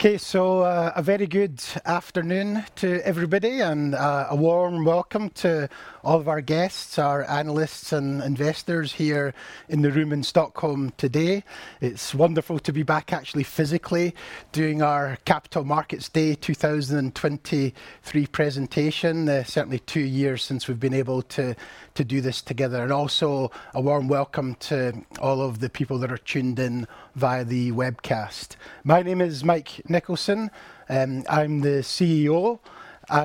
A very good afternoon to everybody, and a warm welcome to all of our guests, our analysts and investors here in the room in Stockholm today. It's wonderful to be back actually physically doing our Capital Markets Day 2023 presentation. Certainly two years since we've been able to do this together. Also a warm welcome to all of the people that are tuned in via the webcast. My name is Mike Nicholson, I'm the CEO,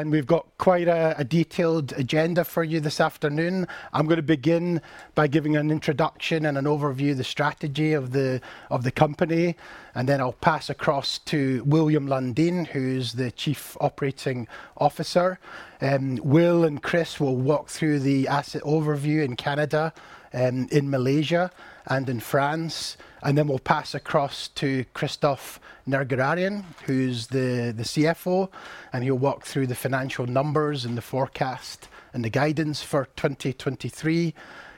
we've got quite a detailed agenda for you this afternoon. I'm gonna begin by giving an introduction and an overview of the strategy of the company, then I'll pass across to William Lundin, who's the Chief Operating Officer. Will and Chris will walk through the asset overview in Canada, in Malaysia and in France. We'll pass across to Christophe Nerguararian, who's the CFO, and he'll walk through the financial numbers and the forecast and the guidance for 2023.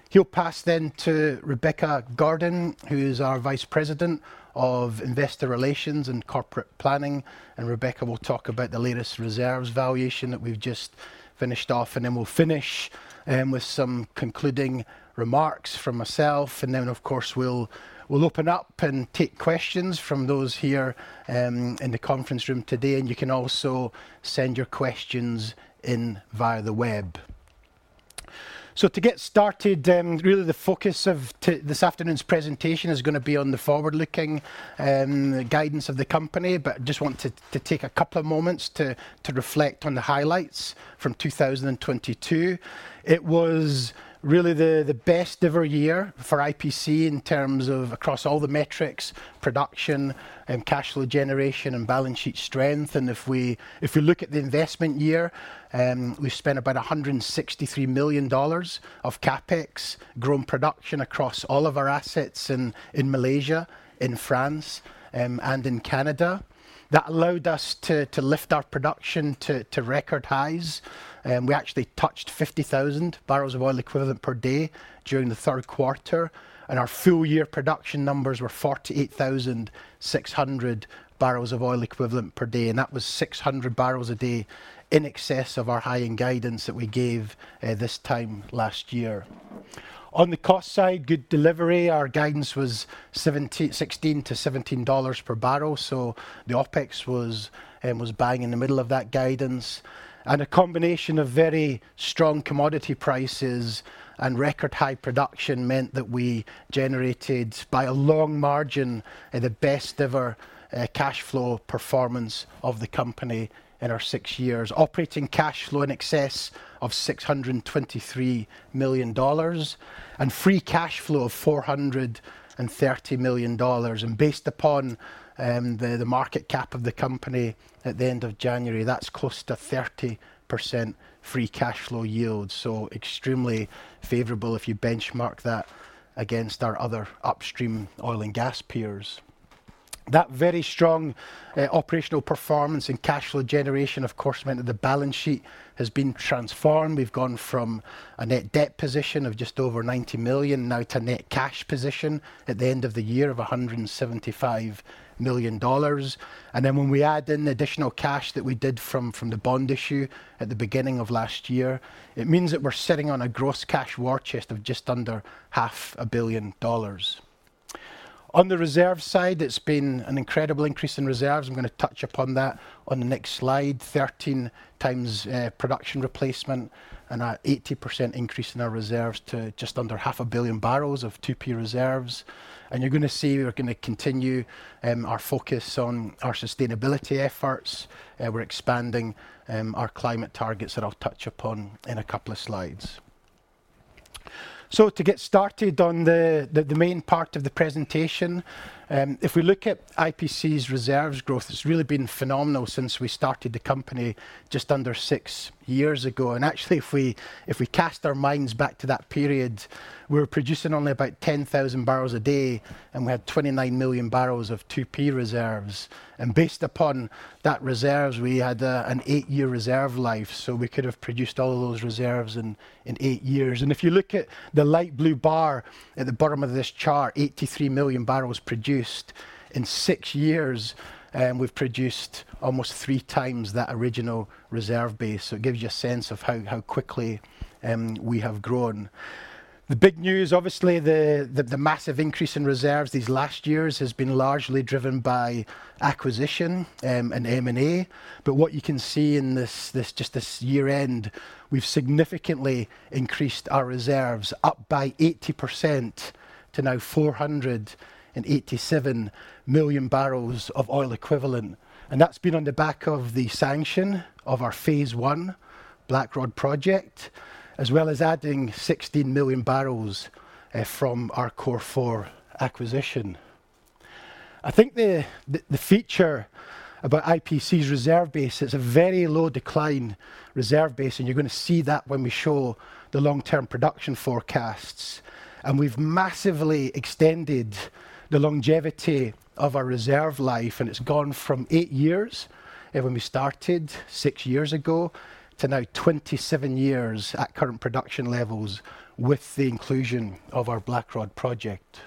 He'll pass then to Rebecca Gordon, who is our Vice President of Investor Relations and Corporate Planning, and Rebecca will talk about the latest reserves valuation that we've just finished off. We'll finish with some concluding remarks from myself. Of course, we'll open up and take questions from those here in the conference room today. You can also send your questions in via the web. To get started, really the focus of this afternoon's presentation is gonna be on the forward-looking guidance of the company. I just want to take a couple of moments to reflect on the highlights from 2022. It was really the best ever year for IPC in terms of across all the metrics, production and cash flow generation and balance sheet strength. If we, if we look at the investment year, we've spent about $163 million of CapEx growing production across all of our assets in Malaysia, in France, and in Canada. That allowed us to lift our production to record highs. We actually touched 50,000 barrels of oil equivalent per day during the third quarter. Our full year production numbers were 48,600 barrels of oil equivalent per day. That was 600 barrels a day in excess of our high-end guidance that we gave this time last year. On the cost side, good delivery. Our guidance was $16-$17 per barrel. The OpEx was bang in the middle of that guidance. A combination of very strong commodity prices and record high production meant that we generated by a long margin, the best ever cash flow performance of the company in our six years. Operating cash flow in excess of $623 million, and free cash flow of $430 million. Based upon the market cap of the company at the end of January, that's close to 30% free cash flow yield. Extremely favorable if you benchmark that against our other upstream oil and gas peers. That very strong operational performance and cash flow generation of course meant that the balance sheet has been transformed. We've gone from a net debt position of just over $90 million now to net cash position at the end of the year of $175 million. When we add in the additional cash that we did from the bond issue at the beginning of last year, it means that we're sitting on a gross cash war chest of just under half a billion dollars. On the reserve side, it's been an incredible increase in reserves. I'm gonna touch upon that on the next slide. 13x production replacement and an 80% increase in our reserves to just under 0.5 billion barrels of 2P reserves. You're gonna see we're gonna continue our focus on our sustainability efforts. We're expanding our climate targets that I'll touch upon in a couple of slides. To get started on the main part of the presentation, if we look at IPC's reserves growth, it's really been phenomenal since we started the company just under six years ago. Actually if we cast our minds back to that period, we were producing only about 10,000 barrels a day, and we had 29 million barrels of 2P reserves. Based upon that reserves, we had an 8-year reserve life, so we could have produced all of those reserves in 8 years. If you look at the light blue bar at the bottom of this chart, 83 million barrels produced. In 6 years, we've produced almost 3x that original reserve base. It gives you a sense of how quickly we have grown. The big news, obviously the massive increase in reserves these last years has been largely driven by acquisition and M&A. What you can see in this just this year-end, we've significantly increased our reserves up by 80% to now 487 million barrels of oil equivalent. That's been on the back of the sanction of our phase one Blackrod project, as well as adding 16 million barrels from our Cor4 acquisition. I think the feature about IPC's reserve base is a very low decline reserve base, and you're gonna see that when we show the long-term production forecasts. We've massively extended the longevity of our reserve life, and it's gone from 8 years, when we started 6 years ago, to now 27 years at current production levels with the inclusion of our Blackrod project.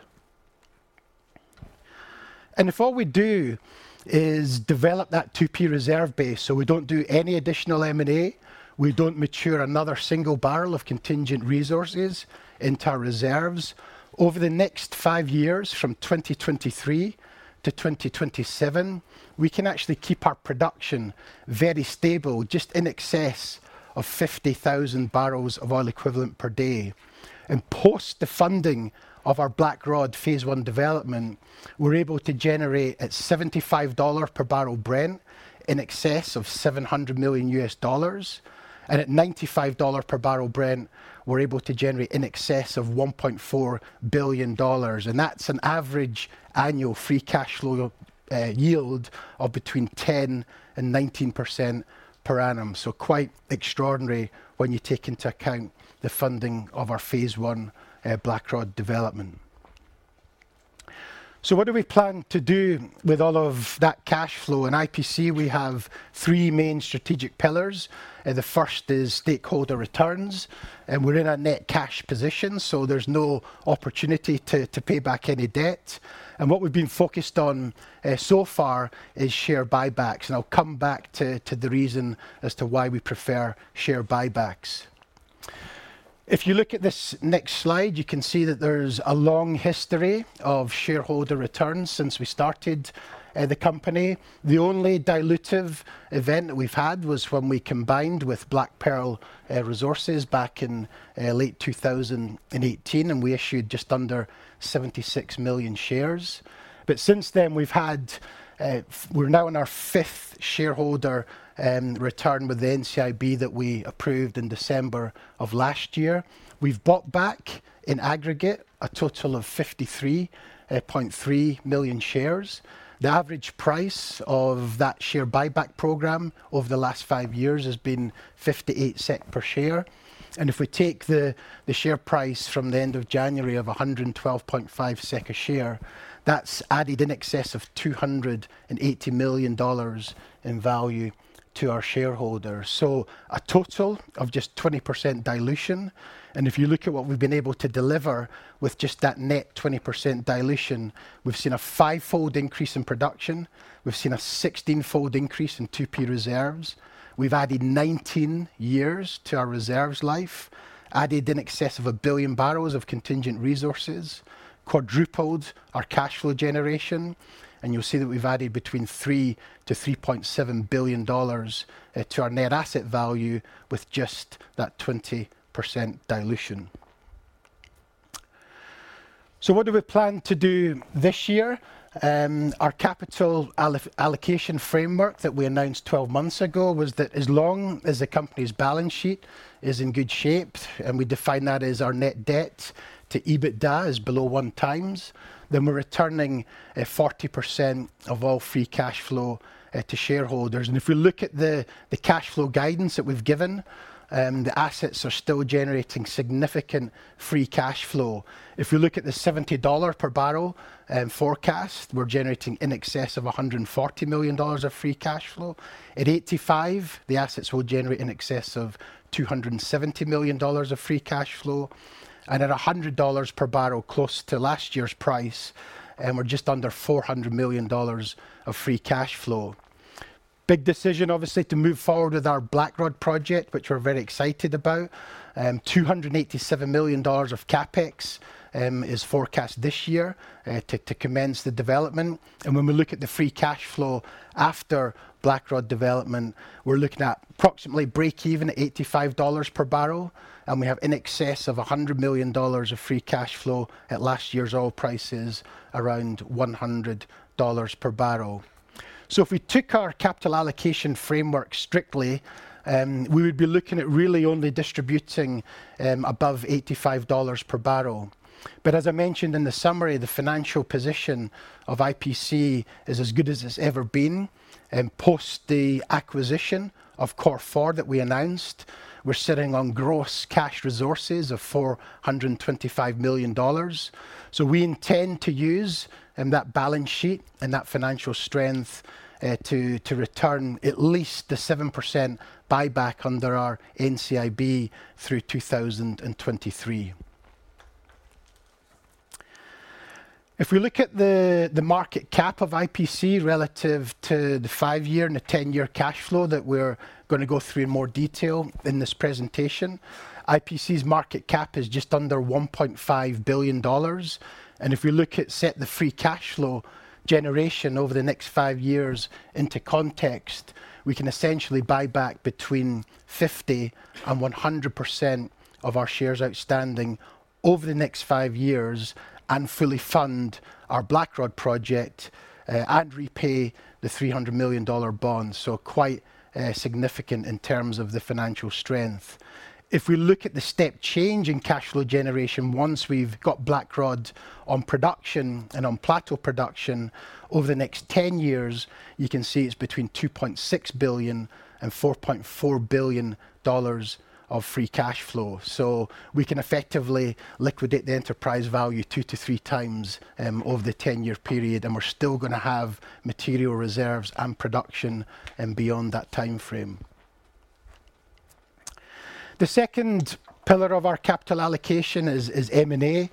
If all we do is develop that 2P reserve base, so we don't do any additional M&A, we don't mature another single barrel of contingent resources into our reserves. Over the next 5 years, from 2023 to 2027, we can actually keep our production very stable, just in excess of 50,000 barrels of oil equivalent per day. Post the funding of our Blackrod phase one development, we're able to generate at $75 per barrel Brent in excess of $700 million. At $95 per barrel Brent, we're able to generate in excess of $1.4 billion. That's an average annual free cash flow yield of between 10% and 19% per annum. Quite extraordinary when you take into account the funding of our phase one Blackrod development. What do we plan to do with all of that cash flow? In IPC, we have 3 main strategic pillars, and the first is stakeholder returns. We're in a net cash position, so there's no opportunity to pay back any debt. What we've been focused on so far is share buybacks, and I'll come back to the reason as to why we prefer share buybacks. If you look at this next slide, you can see that there's a long history of shareholder returns since we started the company. The only dilutive event that we've had was when we combined with BlackPearl Resources back in late 2018, and we issued just under 76 million shares. Since then, we're now in our fifth shareholder return with the NCIB that we approved in December of last year. We've bought back in aggregate a total of 53.3 million shares. The average price of that share buyback program over the last 5 years has been $0.58 per share. If we take the share price from the end of January of $1.125 a share, that's added in excess of $280 million in value to our shareholders. A total of just 20% dilution. If you look at what we've been able to deliver with just that net 20% dilution, we've seen a 5-fold increase in production. We've seen a 16-fold increase in 2P reserves. We've added 19 years to our reserves life, added in excess of 1 billion barrels of contingent resources, quadrupled our cash flow generation. You'll see that we've added between $3 billion-3.7 billion to our net asset value with just that 20% dilution. What do we plan to do this year? Our capital allocation framework that we announced 12 months ago was that as long as the company's balance sheet is in good shape, and we define that as our net debt to EBITDA is below 1x, then we're returning 40% of all free cash flow to shareholders. If we look at the cash flow guidance that we've given, the assets are still generating significant free cash flow. If you look at the $70 per barrel forecast, we're generating in excess of $140 million of free cash flow. At $85, the assets will generate in excess of $270 million of free cash flow. At $100 per barrel, close to last year's price, we're just under $400 million of free cash flow. Big decision, obviously, to move forward with our Blackrod project, which we're very excited about. $287 million of CapEx is forecast this year to commence the development. When we look at the free cash flow after Blackrod development, we're looking at approximately break even at $85 per barrel, and we have in excess of $100 million of free cash flow at last year's oil prices around $100 per barrel. If we took our capital allocation framework strictly, we would be looking at really only distributing above $85 per barrel. As I mentioned in the summary, the financial position of IPC is as good as it's ever been. Post the acquisition Cor4 that we announced, we're sitting on gross cash resources of $425 million. We intend to use that balance sheet and that financial strength to return at least the 7% buyback under our NCIB through 2023. If we look at the market cap of IPC relative to the 5-year and the 10-year cash flow that we're gonna go through in more detail in this presentation, IPC's market cap is just under $1.5 billion. If we look at set the free cash flow generation over the next five years into context, we can essentially buy back between 50% and 100% of our shares outstanding over the next 5 years and fully fund our Blackrod project and repay the $300 million bonds. Quite significant in terms of the financial strength. If we look at the step change in cash flow generation once we've got Blackrod on production and on plateau production over the next ten years, you can see it's between $2.6 billion and $4.4 billion of free cash flow. We can effectively liquidate the enterprise value 2-3x over the 10-year period, and we're still gonna have material reserves and production beyond that timeframe. The second pillar of our capital allocation is M&A.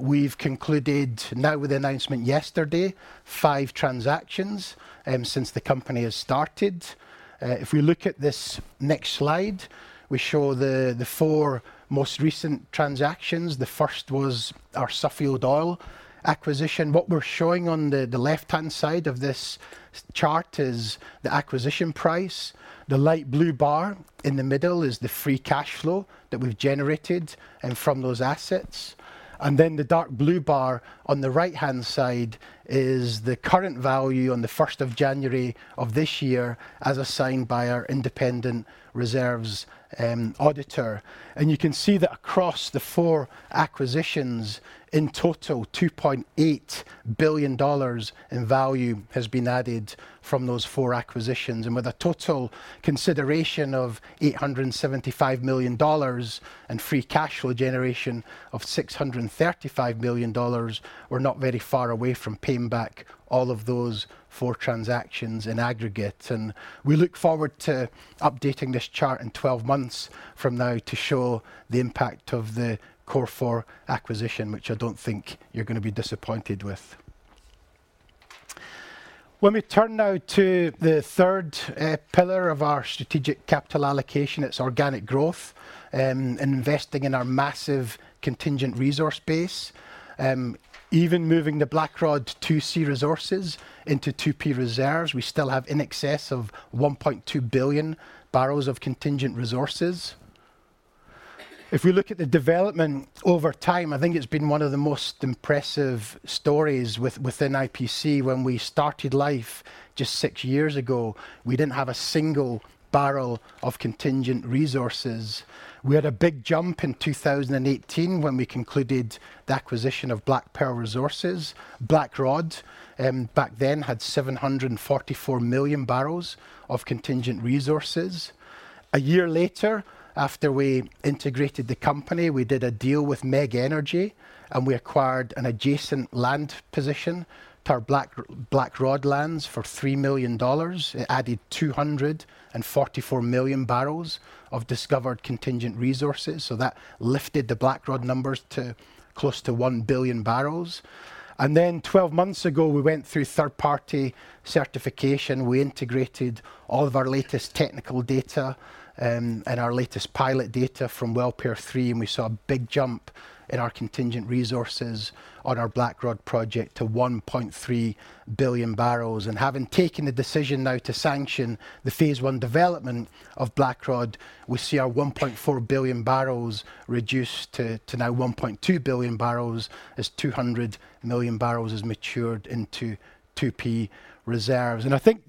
We've concluded now with the announcement yesterday, five transactions since the company has started. If we look at this next slide, we show the four most recent transactions. The first was our Suffield oil acquisition. What we're showing on the left-hand side of this chart is the acquisition price. The light blue bar in the middle is the free cash flow that we've generated from those assets. The dark blue bar on the right-hand side is the current value on the 1st of January of this year as assigned by our independent reserves auditor. You can see that across the four acquisitions, in total, $2.8 billion in value has been added from those four acquisitions. With a total consideration of $875 million and free cash flow generation of $635 million, we're not very far away from paying back all of those four transactions in aggregate. We look forward to updating this chart in 12 months from now to show the impact of the Cor4 acquisition, which I don't think you're gonna be disappointed with. Let me turn now to the third pillar of our strategic capital allocation. It's organic growth, investing in our massive contingent resource base, even moving the Blackrod 2C resources into 2P reserves. We still have in excess of 1.2 billion barrels of contingent resources. If we look at the development over time, I think it's been one of the most impressive stories within IPC. When we started life just 6 years ago, we didn't have a single barrel of contingent resources. We had a big jump in 2018 when we concluded the acquisition of BlackPearl Resources. Blackrod back then had 744 million barrels of contingent resources. A year later, after we integrated the company, we did a deal with MEG Energy, and we acquired an adjacent land position to our Blackrod lands for $3 million. It added 244 million barrels of discovered contingent resources, so that lifted the Blackrod numbers to close to 1 billion barrels. Then 12 months ago, we went through third-party certification. We integrated all of our latest technical data, and our latest pilot data from Well Pair 3, and we saw a big jump in our contingent resources on our Blackrod project to 1.3 billion barrels. Having taken the decision now to sanction the phase 1 development of Blackrod, we see our 1.4 billion barrels reduced to now 1.2 billion barrels as 200 million barrels has matured into 2P reserves. I think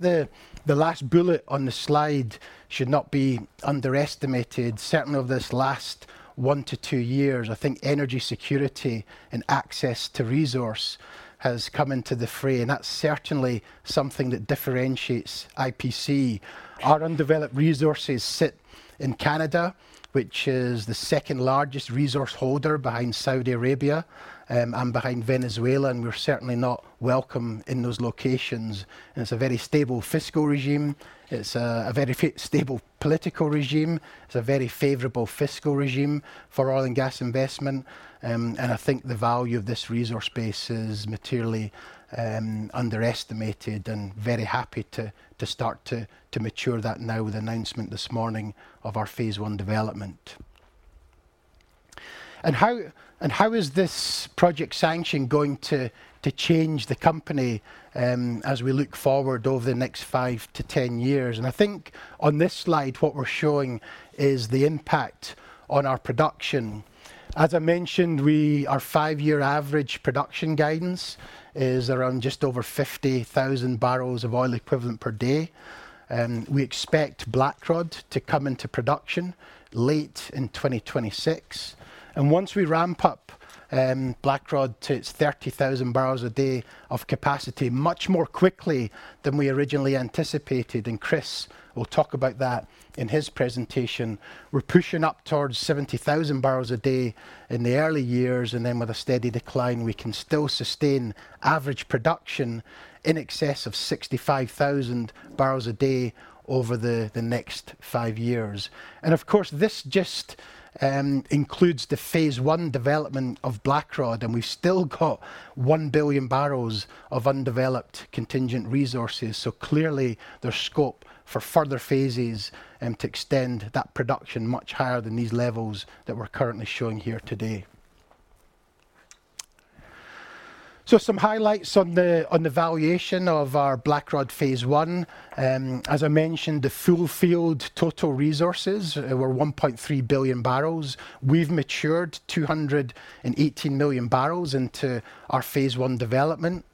the last bullet on the slide should not be underestimated. Certainly over this last 1-2 years, I think energy security and access to resource has come into the fray, and that's certainly something that differentiates IPC. Our undeveloped resources sit in Canada, which is the second-largest resource holder behind Saudi Arabia, and behind Venezuela, and we're certainly not welcome in those locations. It's a very stable fiscal regime. It's a very stable political regime. It's a very favorable fiscal regime for oil and gas investment. I think the value of this resource base is materially underestimated and very happy to start to mature that now with the announcement this morning of our phase one development. How is this project sanction going to change the company as we look forward over the next 5-10 years? I think on this slide, what we're showing is the impact on our production. As I mentioned, our five-year average production guidance is around just over 50,000 barrels of oil equivalent per day. We expect Blackrod to come into production late in 2026. Once we ramp up Blackrod to its 30,000 barrels a day of capacity much more quickly than we originally anticipated, and Chris will talk about that in his presentation, we're pushing up towards 70,000 barrels a day in the early years, and then with a steady decline, we can still sustain average production in excess of 65,000 barrels a day over the next five years. Of course, this just includes the phase one development of Blackrod, and we've still got 1 billion barrels of undeveloped contingent resources. Clearly, there's scope for further phases to extend that production much higher than these levels that we're currently showing here today. Some highlights on the valuation of our Blackrod phase one. As I mentioned, the full field total resources were 1.3 billion barrels. We've matured 218 million barrels into our phase 1 development.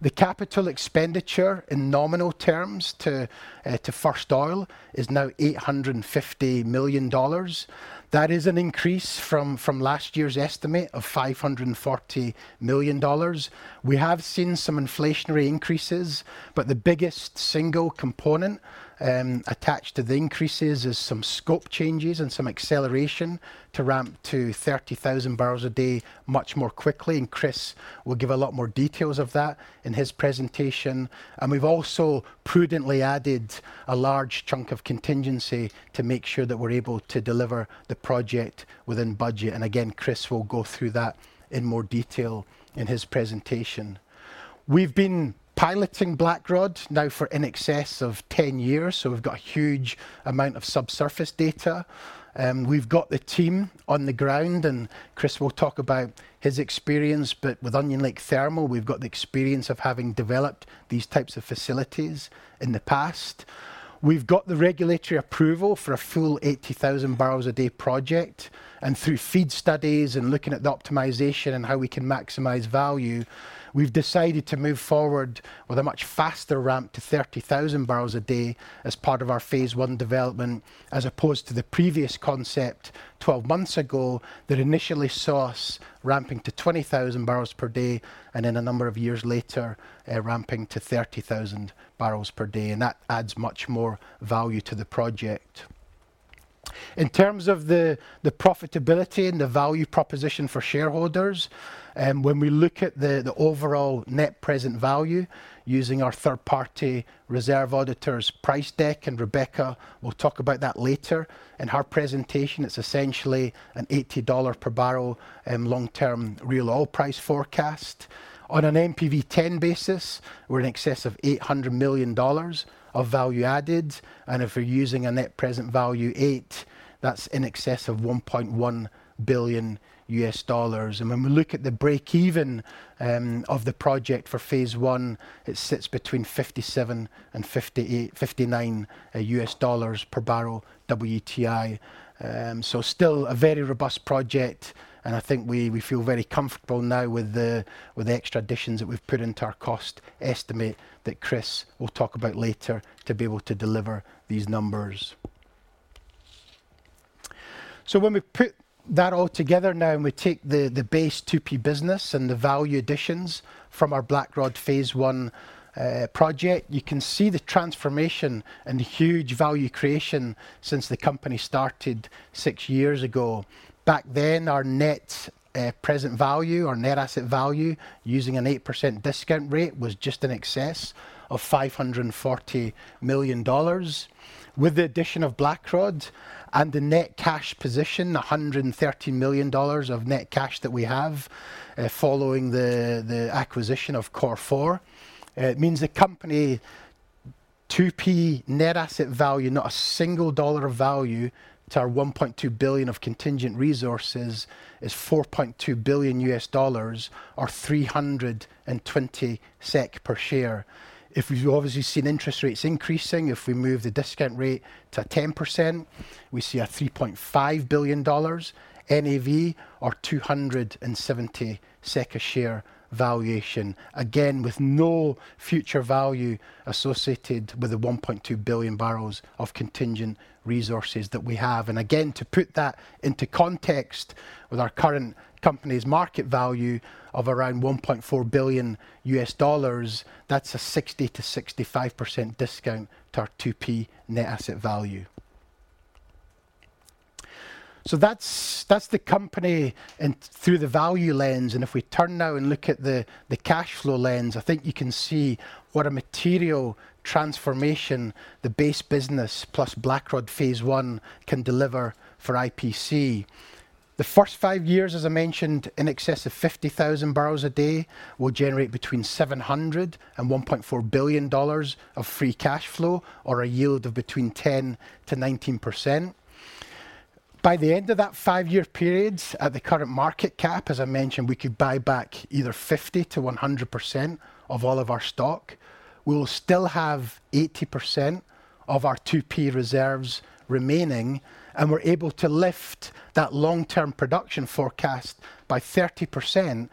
The Capital expenditure in nominal terms to first oil is now $850 million. That is an increase from last year's estimate of $540 million. We have seen some inflationary increases, but the biggest single component attached to the increases is some scope changes and some acceleration to ramp to 30,000 barrels a day much more quickly, and Chris will give a lot more details of that in his presentation. We've also prudently added a large chunk of contingency to make sure that we're able to deliver the project within budget. Again, Chris will go through that in more detail in his presentation. We've been piloting Blackrod now for in excess of 10 years, so we've got a huge amount of subsurface data. We've got the team on the ground, Chris will talk about his experience. With Onion Lake Thermal, we've got the experience of having developed these types of facilities in the past. We've got the regulatory approval for a full 80,000 barrels a day project. Through FEED studies and looking at the optimization and how we can maximize value, we've decided to move forward with a much faster ramp to 30,000 barrels a day as part of our Phase 1 development, as opposed to the previous concept 12 months ago that initially saw us ramping to 20,000 barrels per day and then a number of years later, ramping to 30,000 barrels per day. That adds much more value to the project. In terms of the profitability and the value proposition for shareholders, when we look at the overall net present value using our third-party reserve auditors price deck, Rebecca will talk about that later in her presentation. It's essentially an $80 per barrel long-term real oil price forecast. On an NPV ten basis, we're in excess of $800 million of value added. If we're using a net present value eight, that's in excess of $1.1 billion. When we look at the break-even of the project for phase one, it sits between $57 and $59 per barrel WTI. Still a very robust project, and I think we feel very comfortable now with the extra additions that we've put into our cost estimate that Chris will talk about later to be able to deliver these numbers. When we put that all together now and we take the base 2P business and the value additions from our Blackrod phase one project, you can see the transformation and the huge value creation since the company started 6 years ago. Back then, our net present value or net asset value, using an 8% discount rate, was just in excess of $540 million. With the addition of Blackrod and the net cash position, $113 million of net cash that we have, following the acquisition of Cor4, it means the company 2P net asset value, not a single dollar of value to our 1.2 billion of contingent resources is $4.2 billion or 320 SEK per share. If we've obviously seen interest rates increasing, if we move the discount rate to 10%, we see a $3.5 billion NAV or 270 SEK a share valuation. Again, with no future value associated with the 1.2 billion barrels of contingent resources that we have. Again, to put that into context with our current company's market value of around $1.4 billion, that's a 60%-65% discount to our 2P net asset value. That's the company and through the value lens. If we turn now and look at the cash flow lens, I think you can see what a material transformation the base business plus Blackrod phase one can deliver for IPC. The first 5 years, as I mentioned, in excess of 50,000 barrels a day, will generate between $700 million and $1.4 billion of free cash flow or a yield of between 10%-19%. By the end of that 5-year period, at the current market cap, as I mentioned, we could buy back either 50%-100% of all of our stock. We will still have 80% of our 2P reserves remaining. We're able to lift that long-term production forecast by 30%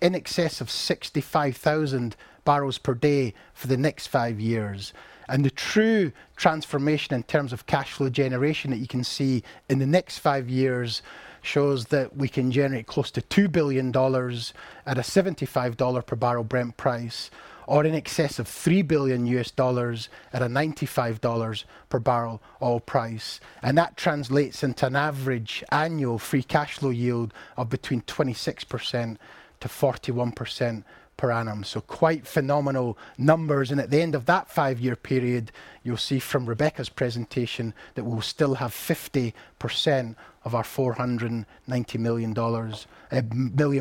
in excess of 65,000 barrels per day for the next five years. The true transformation in terms of cash flow generation that you can see in the next five years shows that we can generate close to $2 billion at a $75 per barrel Brent price or in excess of $3 billion at a $95 per barrel oil price. That translates into an average annual free cash flow yield of between 26%-41% per annum. Quite phenomenal numbers. At the end of that 5-year period, you'll see from Rebecca's presentation that we'll still have 50% of our 490 million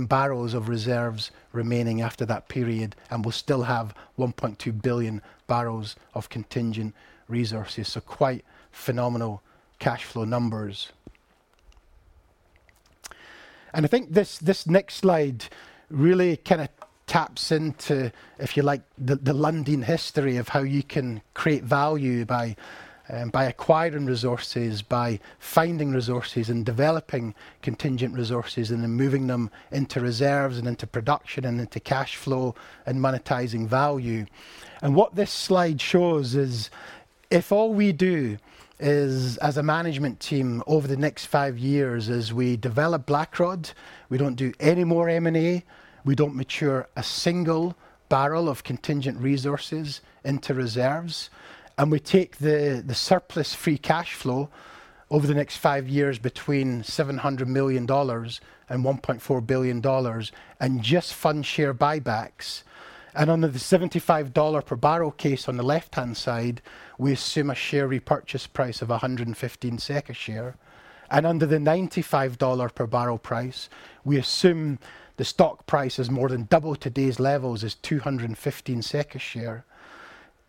barrels of reserves remaining after that period. We'll still have 1.2 billion barrels of contingent resources. Quite phenomenal cash flow numbers. I think this next slide really kinda taps into, if you like, the Lundin history of how you can create value by acquiring resources, by finding resources and developing contingent resources and then moving them into reserves and into production and into cash flow and monetizing value. What this slide shows is if all we do is as a management team over the next five years is we develop Blackrod, we don't do any more M&A, we don't mature a single barrel of contingent resources into reserves, and we take the surplus free cash flow over the next five years between $700 million and $1.4 billion and just fund share buybacks. Under the $75 per barrel case on the left-hand side, we assume a share repurchase price of 115 SEK a share. Under the $95 per barrel price, we assume the stock price is more than double today's levels is 215 a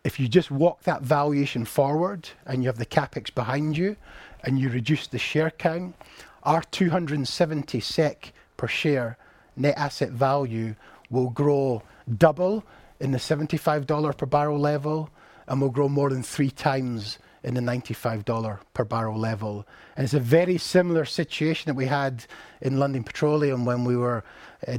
share. If you just walk that valuation forward and you have the CapEx behind you and you reduce the share count, our 270 SEK per share net asset value will grow double in the $75 per barrel level and will grow more than 3x in the $95 per barrel level. It's a very similar situation that we had in Lundin Petroleum when we were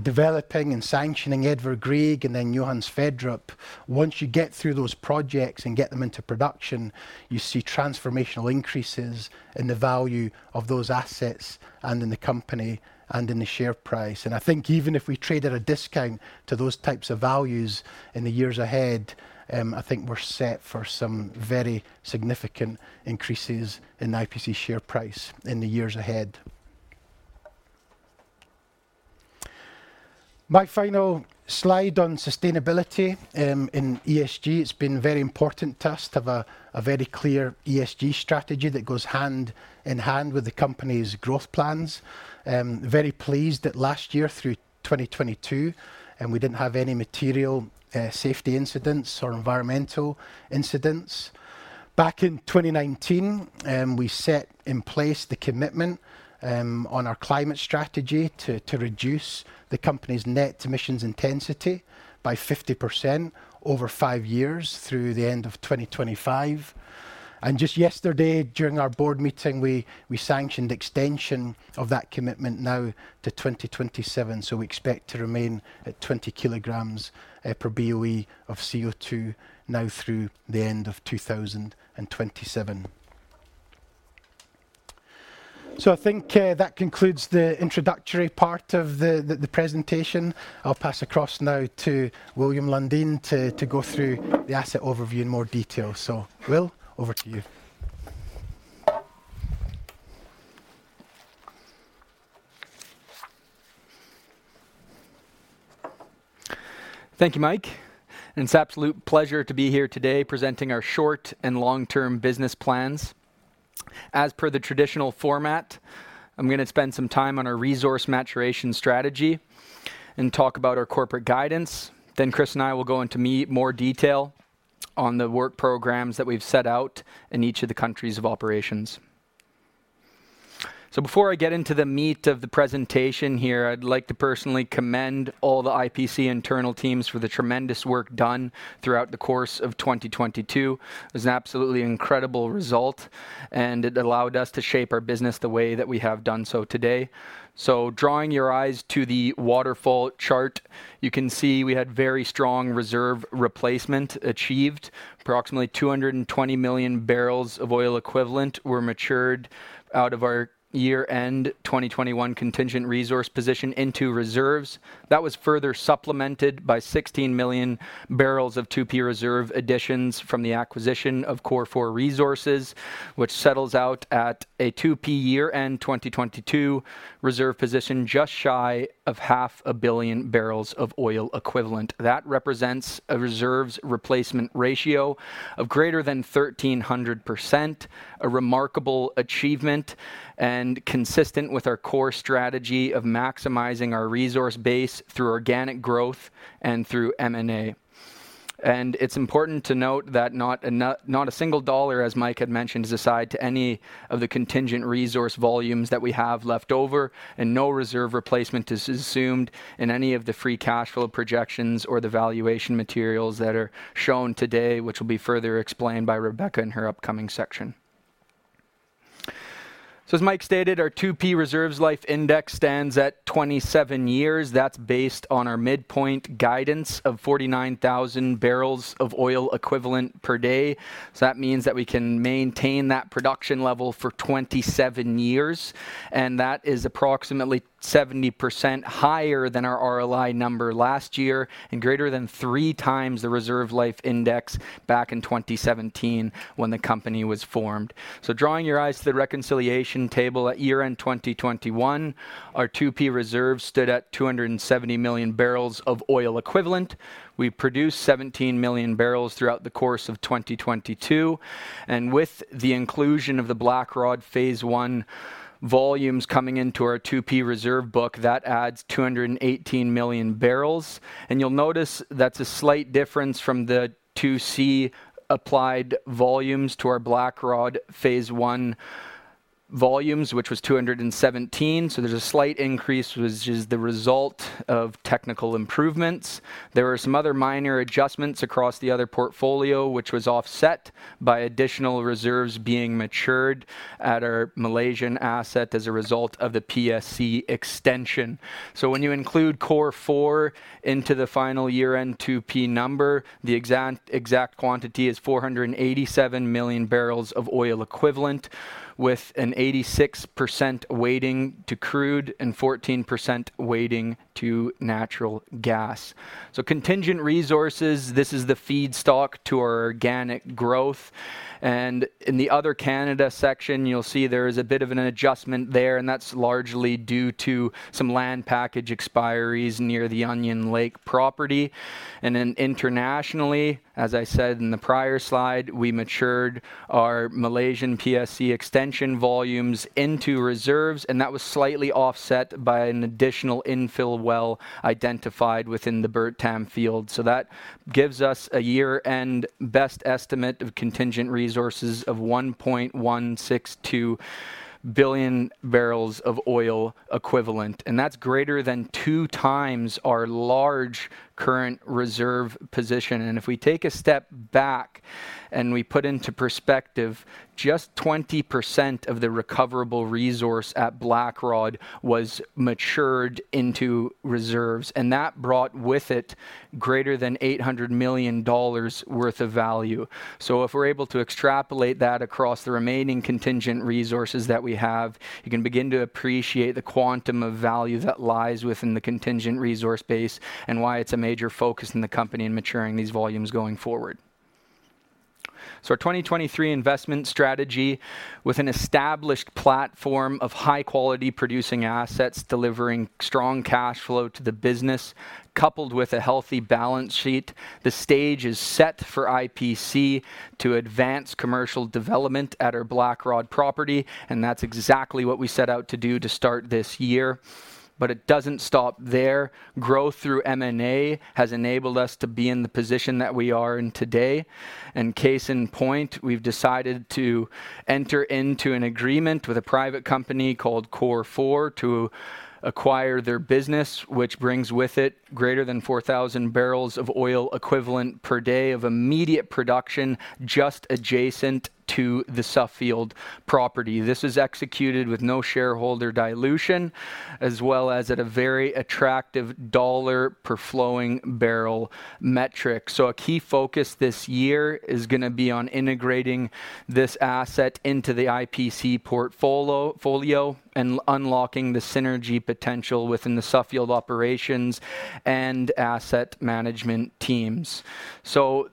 developing and sanctioning Edvard Grieg and then Johan Sverdrup. Once you get through those projects and get them into production, you see transformational increases in the value of those assets and in the company and in the share price. I think even if we trade at a discount to those types of values in the years ahead, I think we're set for some very significant increases in IPC share price in the years ahead. My final slide on sustainability, in ESG, it's been very important to us to have a very clear ESG strategy that goes hand in hand with the company's growth plans. Very pleased that last year through 2022, we didn't have any material safety incidents or environmental incidents. Back in 2019, we set in place the commitment on our climate strategy to reduce the company's net emissions intensity by 50% over 5 years through the end of 2025. Just yesterday, during our board meeting, we sanctioned extension of that commitment now to 2027. We expect to remain at 20 kilograms per BOE of CO2 now through the end of 2027. I think that concludes the introductory part of the, the presentation. I'll pass across now to William Lundin to go through the asset overview in more detail. Will, over to you. Thank you, Mike. It's an absolute pleasure to be here today presenting our short and long-term business plans. As per the traditional format, I'm going to spend some time on our resource maturation strategy and talk about our corporate guidance. Chris and I will go into more detail on the work programs that we've set out in each of the countries of operations. Before I get into the meat of the presentation here, I'd like to personally commend all the IPC internal teams for the tremendous work done throughout the course of 2022. It was an absolutely incredible result, and it allowed us to shape our business the way that we have done so today. Drawing your eyes to the waterfall chart, you can see we had very strong reserve replacement achieved. Approximately 220 million barrels of oil equivalent were matured out of our year-end 2021 contingent resource position into reserves. That was further supplemented by 16 million barrels of 2P reserve additions from the acquisition of Cor4 Oil Corp. Resources, which settles out at a 2P year-end 2022 reserve position just shy of half a billion barrels of oil equivalent. That represents a reserves replacement ratio of greater than 1,300%, a remarkable achievement, and consistent with our core strategy of maximizing our resource base through organic growth and through M&A. It's important to note that not a single dollar, as Mike had mentioned, is assigned to any of the contingent resource volumes that we have left over, and no reserve replacement is assumed in any of the free cash flow projections or the valuation materials that are shown today, which will be further explained by Rebecca in her upcoming section. As Mike stated, our 2P reserves life index stands at 27 years. That's based on our midpoint guidance of 49,000 barrels of oil equivalent per day. That means that we can maintain that production level for 27 years, and that is approximately 70% higher than our RLI number last year and greater than 3x the reserve life index back in 2017 when the company was formed. Drawing your eyes to the reconciliation table at year-end 2021, our 2P reserves stood at 270 million barrels of oil equivalent. We produced 17 million barrels throughout the course of 2022, and with the inclusion of the Blackrod Phase 1 volumes coming into our 2P reserve book, that adds 218 million barrels. You'll notice that's a slight difference from the 2C applied volumes to our Blackrod Phase 1 volumes, which was 217. There's a slight increase, which is the result of technical improvements. There were some other minor adjustments across the other portfolio, which was offset by additional reserves being matured at our Malaysian asset as a result of the PSC extension. When you include Cor4 into the final year-end 2P number, the exact quantity is 487 million barrels of oil equivalent, with an 86% weighting to crude and 14% weighting to natural gas. Contingent resources, this is the feedstock to our organic growth. In the other Canada section, you'll see there is a bit of an adjustment there, and that's largely due to some land package expiries near the Onion Lake property. Then internationally, as I said in the prior slide, we matured our Malaysian PSC extension volumes into reserves, and that was slightly offset by an additional infill well identified within the Bertam field. That gives us a year-end best estimate of contingent resources of 1.162 billion barrels of oil equivalent, and that's greater than 2 times our large current reserve position. If we take a step back and we put into perspective just 20% of the recoverable resource at Blackrod was matured into reserves, and that brought with it greater than $800 million worth of value. If we're able to extrapolate that across the remaining contingent resources that we have, you can begin to appreciate the quantum of value that lies within the contingent resource base and why it's a major focus in the company in maturing these volumes going forward. Our 2023 investment strategy with an established platform of high-quality producing assets delivering strong cash flow to the business, coupled with a healthy balance sheet, the stage is set for IPC to advance commercial development at our Blackrod property, and that's exactly what we set out to do to start this year. It doesn't stop there. Growth through M&A has enabled us to be in the position that we are in today. Case in point, we've decided to enter into an agreement with a private company called Cor4 to acquire their business, which brings with it greater than 4,000 barrels of oil equivalent per day of immediate production just adjacent to the Suffield property. This is executed with no shareholder dilution, as well as at a very attractive dollar per flowing barrel metric. A key focus this year is going to be on integrating this asset into the IPC portfolio and unlocking the synergy potential within the Suffield operations and asset management teams.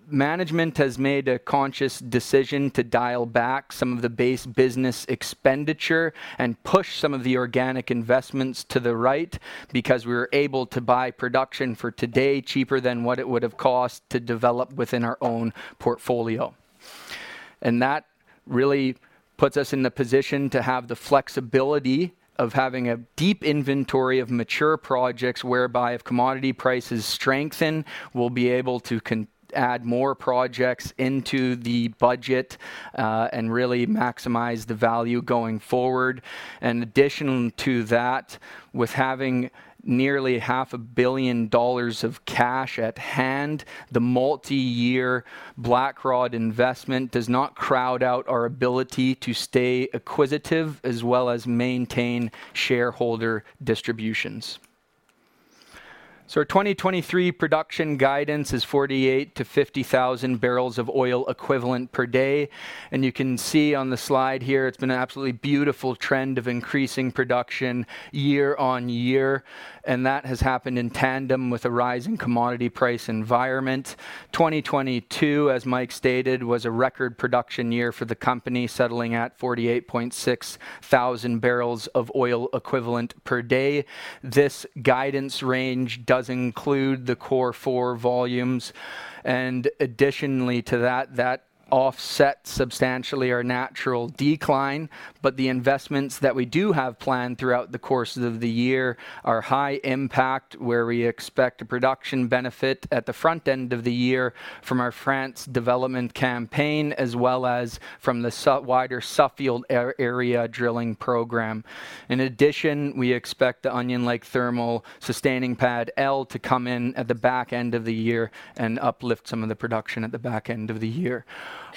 Management has made a conscious decision to dial back some of the base business expenditure and push some of the organic investments to the right because we were able to buy production for today cheaper than what it would have cost to develop within our own portfolio. That really puts us in the position to have the flexibility of having a deep inventory of mature projects whereby if commodity prices strengthen, we'll be able to add more projects into the budget and really maximize the value going forward. Additional to that, with having nearly half a billion dollars of cash at hand, the multiyear Blackrod investment does not crowd out our ability to stay acquisitive as well as maintain shareholder distributions. Our 2023 production guidance is 48,000-50,000 barrels of oil equivalent per day. You can see on the slide here, it's been an absolutely beautiful trend of increasing production year-on-year, and that has happened in tandem with a rise in commodity price environment. 2022, as Mike stated, was a record production year for the company, settling at 48.6 thousand barrels of oil equivalent per day. This guidance range does include the Cor4 volumes, additionally to that offsets substantially our natural decline. The investments that we do have planned throughout the course of the year are high impact, where we expect a production benefit at the front end of the year from our France development campaign, as well as from the wider Suffield area drilling program. In addition, we expect the Onion Lake thermal sustaining Pad L to come in at the back end of the year and uplift some of the production at the back end of the year.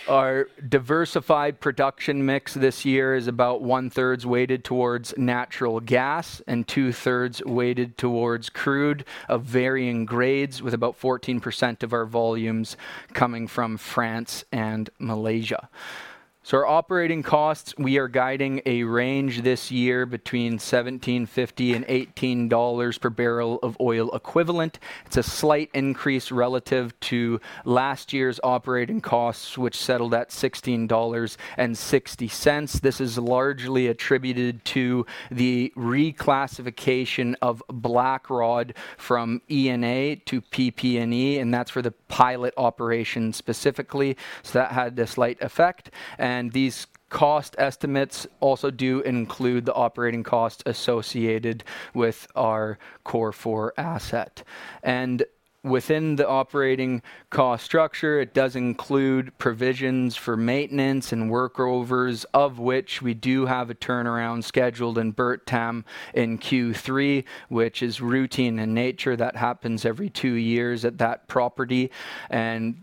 Our diversified production mix this year is about one-thirds weighted towards natural gas and two-thirds weighted towards crude of varying grades, with about 14% of our volumes coming from France and Malaysia. Our operating costs, we are guiding a range this year between $17.50 and $18 per barrel of oil equivalent. It's a slight increase relative to last year's operating costs, which settled at $16.60. This is largely attributed to the reclassification of Blackrod from E&A to PP&E, and that's for the pilot operation specifically. That had a slight effect. These cost estimates also do include the operating cost associated with our Cor4 asset. Within the operating cost structure, it does include provisions for maintenance and workovers, of which we do have a turnaround scheduled in Bertam in Q3, which is routine in nature. That happens every 2 years at that property.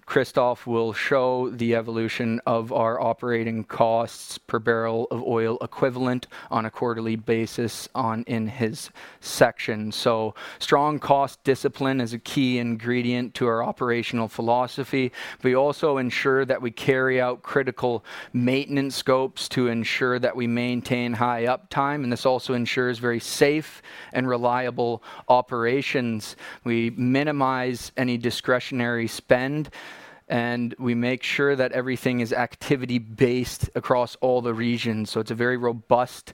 Christophe will show the evolution of our operating costs per barrel of oil equivalent on a quarterly basis in his section. Strong cost discipline is a key ingredient to our operational philosophy. We also ensure that we carry out critical maintenance scopes to ensure that we maintain high uptime, and this also ensures very safe and reliable operations. We minimize any discretionary spend, and we make sure that everything is activity-based across all the regions. It's a very robust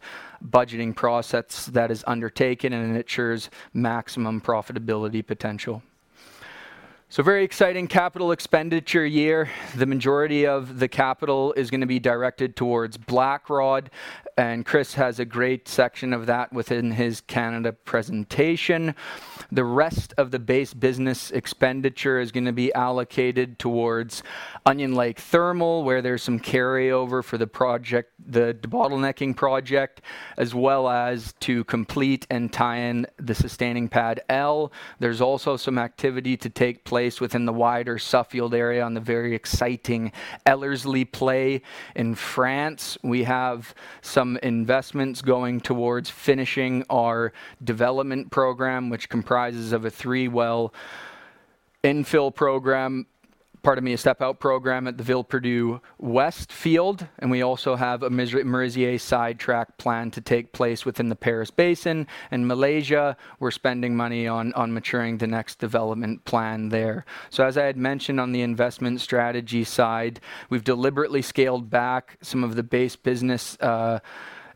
budgeting process that is undertaken, and it ensures maximum profitability potential. Very exciting capital expenditure year. The majority of the capital is going to be directed towards Blackrod. Chris has a great section of that within his Canada presentation. The rest of the base business expenditure is going to be allocated towards Onion Lake Thermal, where there's some carryover for the bottlenecking project, as well as to complete and tie in the sustaining Pad L. There's also some activity to take place within the wider Suffield area on the very exciting Ellerslie play. In France, we have some investments going towards finishing our development program, which comprises of a three-well infill program, pardon me, a step out program at the Villeperdue West field. We also have a Merisier sidetrack plan to take place within the Paris Basin. In Malaysia, we're spending money on maturing the next development plan there. As I had mentioned on the investment strategy side, we've deliberately scaled back some of the base business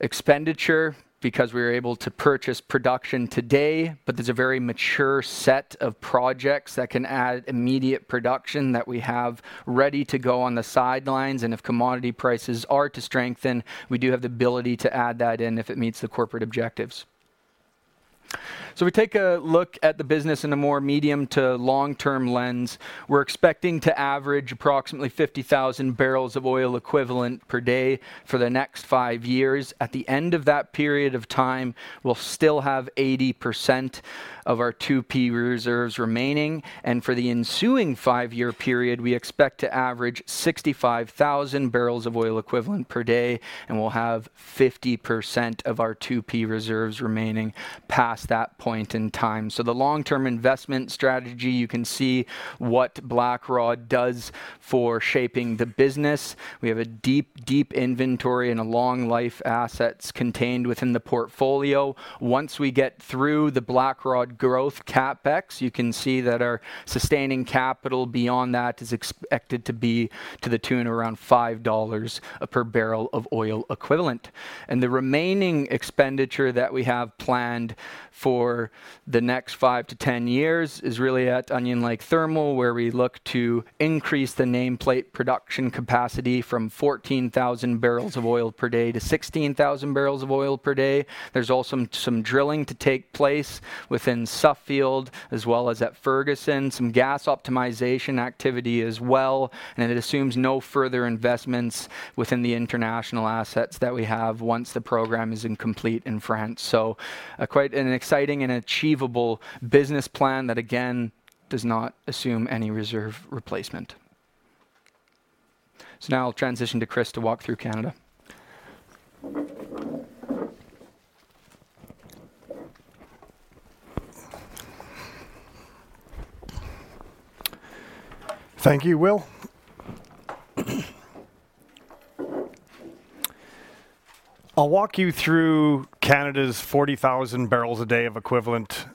expenditure because we're able to purchase production today, but there's a very mature set of projects that can add immediate production that we have ready to go on the sidelines. If commodity prices are to strengthen, we do have the ability to add that in if it meets the corporate objectives. We take a look at the business in a more medium to long-term lens. We're expecting to average approximately 50,000 barrels of oil equivalent per day for the next five years. At the end of that period of time, we'll still have 80% of our 2P reserves remaining. For the ensuing five-year period, we expect to average 65,000 barrels of oil equivalent per day, and we'll have 50% of our 2P reserves remaining past that point in time. The long-term investment strategy, you can see what Blackrod does for shaping the business. We have a deep, deep inventory and long-life assets contained within the portfolio. Once we get through the Blackrod growth CapEx, you can see that our sustaining capital beyond that is expected to be to the tune of around $5 per barrel of oil equivalent. The remaining expenditure that we have planned for the next 5 to 10 years is really at Onion Lake Thermal, where we look to increase the nameplate production capacity from 14,000 barrels of oil per day to 16,000 barrels of oil per day. There's also some drilling to take place within Suffield as well as at Ferguson. Some gas optimization activity as well. It assumes no further investments within the international assets that we have once the program is in complete in France. Quite an exciting and achievable business plan that again does not assume any reserve replacement. Now I'll transition to Chris to walk through Canada. Thank you, Will. I'll walk you through Canada's 40,000 barrels a day of equivalent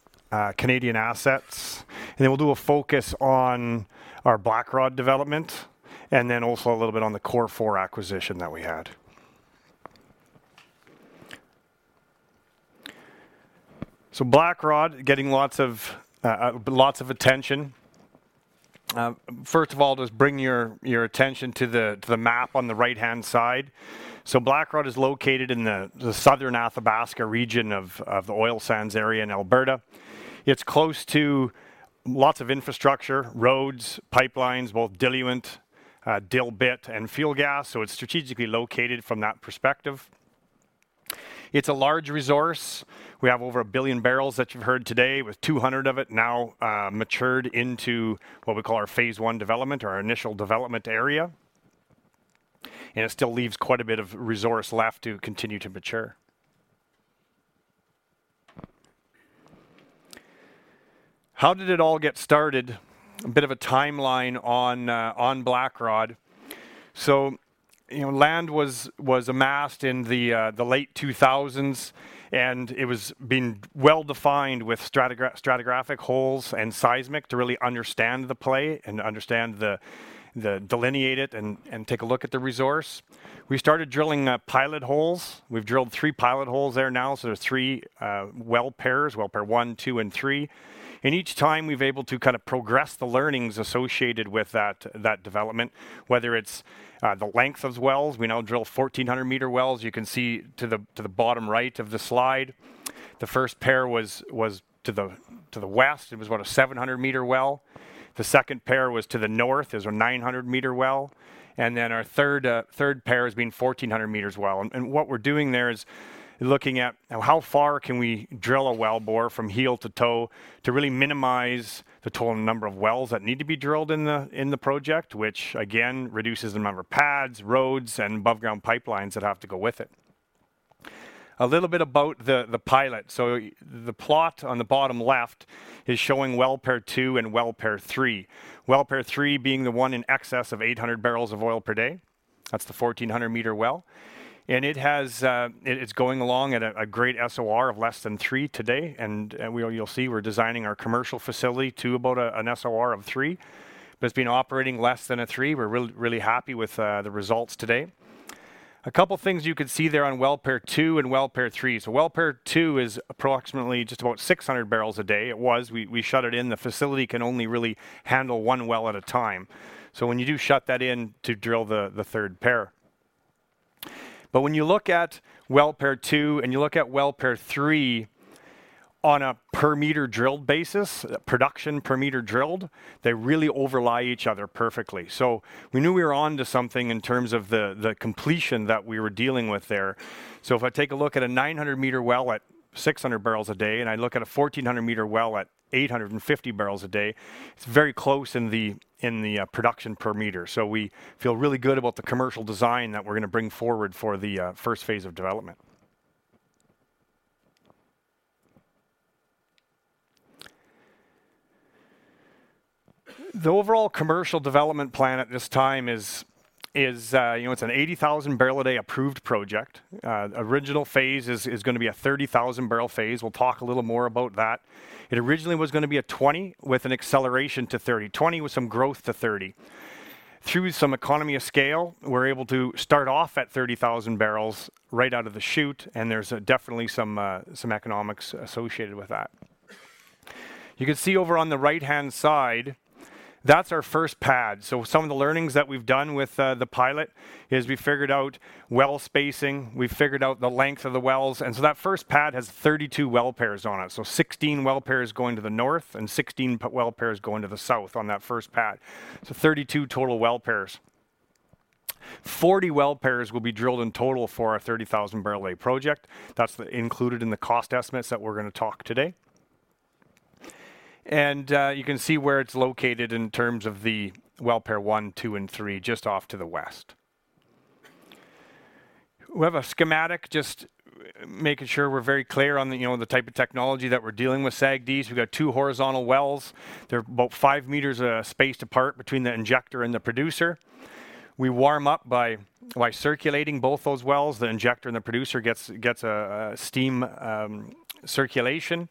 Canadian assets. Then we'll do a focus on our Blackrod development and then also a little bit on the Cor4 acquisition that we had. Blackrod getting lots of attention. First of all, just bring your attention to the map on the right-hand side. Blackrod is located in the southern Athabasca region of the oil sands area in Alberta. It's close to lots of infrastructure, roads, pipelines, both diluent, dilbit and fuel gas. It's strategically located from that perspective. It's a large resource. We have over a billion barrels that you've heard today, with 200 of it now matured into what we call our phase one development or our initial development area. It still leaves quite a bit of resource left to continue to mature. How did it all get started? A bit of a timeline on Blackrod. You know, land was amassed in the late 2000s, and it was being well defined with stratigraphic holes and seismic to really understand the play and understand the delineate it and take a look at the resource. We started drilling pilot holes. We've drilled three pilot holes there now, so there's three well pairs, well pair one, two, and three. Each time, we've able to kind of progress the learnings associated with that development, whether it's the length of wells. We now drill 1,400 meter wells. You can see to the bottom right of the slide. The first pair was to the west. It was about a 700 meter well. The second pair was to the north. It was a 900 meter well. Then our third pair has been 1,400 meters well. What we're doing there is looking at how far can we drill a well bore from heel to toe to really minimize the total number of wells that need to be drilled in the project, which again reduces the number of pads, roads, and above ground pipelines that have to go with it. A little bit about the pilot. The plot on the bottom left is showing Well Pair 2 and Well Pair 3. Well pair 3 being the one in excess of 800 barrels of oil per day. That's the 1,400 meter well. It has, it is going along at a great SOR of less than 3 today. You'll see we're designing our commercial facility to about an SOR of 3. It's been operating less than a 3. We're really happy with the results today. A couple things you could see there on Well Pair 2 and Well Pair 3. Well Pair 2 is approximately just about 600 barrels a day. It was. We shut it in. The facility can only really handle 1 well at a time. When you do shut that in to drill the third pair. When you look at Well Pair 2 and you look at Well Pair 3 on a per meter drilled basis, production per meter drilled, they really overlay each other perfectly. We knew we were onto something in terms of the completion that we were dealing with there. If I take a look at a 900 meter well at 600 barrels a day, and I look at a 1,400 meter well at 850 barrels a day, it's very close in the production per meter. We feel really good about the commercial design that we're gonna bring forward for the first phase of development. The overall commercial development plan at this time is, you know, it's an 80,000 barrel a day approved project. Original phase is gonna be a 30,000 barrel phase. We'll talk a little more about that. It originally was gonna be a 20 with an acceleration to 30. 20 with some growth to 30. Through some economy of scale, we're able to start off at 30,000 barrels right out of the chute, and there's definitely some economics associated with that. You can see over on the right-hand side, that's our first pad. Some of the learnings that we've done with the pilot is we figured out well spacing, we figured out the length of the wells. That first pad has 32 well pairs on it. 16 well pairs going to the north and 16 well pairs going to the south on that first pad. 32 total well pairs. 40 well pairs will be drilled in total for our 30,000 barrel a day project. That's included in the cost estimates that we're gonna talk today. You can see where it's located in terms of the Well Pair 1, 2, and 3, just off to the west. We have a schematic, just making sure we're very clear on the, you know, the type of technology that we're dealing with, SAGD. We've got two horizontal wells. They're about 5 meters spaced apart between the injector and the producer. We warm up by circulating both those wells. The injector and the producer gets a steam circulation.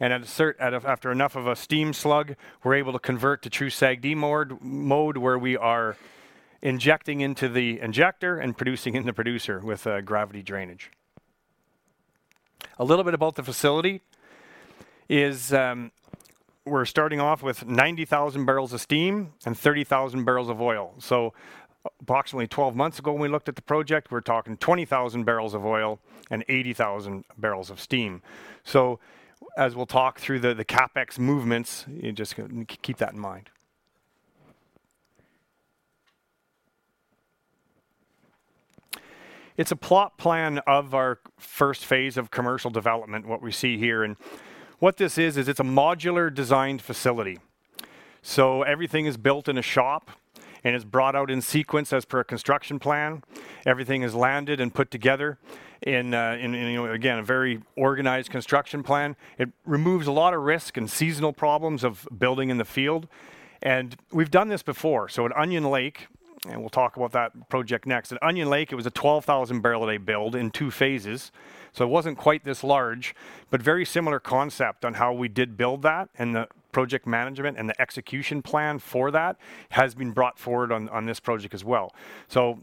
After enough of a steam slug, we're able to convert to true SAGD mode, where we are injecting into the injector and producing into producer with gravity drainage. A little bit about the facility is, we're starting off with 90,000 barrels of steam and 30,000 barrels of oil. Approximately 12 months ago, when we looked at the project, we're talking 20,000 barrels of oil and 80,000 barrels of steam. As we'll talk through the CapEx movements, just keep that in mind. It's a plot plan of our first phase of commercial development, what we see here. What this is it's a modular designed facility. Everything is built in a shop and is brought out in sequence as per a construction plan. Everything is landed and put together in, you know, again, a very organized construction plan. It removes a lot of risk and seasonal problems of building in the field. We've done this before. At Onion Lake, and we'll talk about that project next. At Onion Lake, it was a 12,000 barrel a day build in two phases. It wasn't quite this large, but very similar concept on how we did build that and the project management and the execution plan for that has been brought forward on this project as well.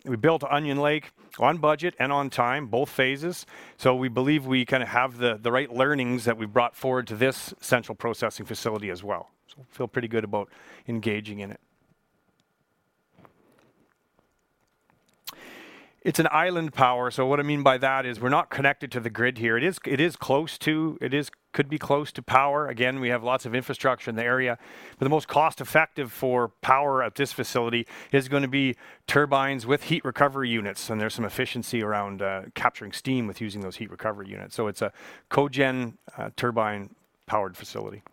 We built Onion Lake on budget and on time, both phases. We believe we kind of have the right learnings that we've brought forward to this central processing facility as well. We feel pretty good about engaging in it. It's an island power. What I mean by that is we're not connected to the grid here. It is close to, could be close to power. Again, we have lots of infrastructure in the area. The most cost-effective for power at this facility is going to be turbines with heat recovery units, and there's some efficiency around capturing steam with using those heat recovery units. It's a cogen turbine-powered facility.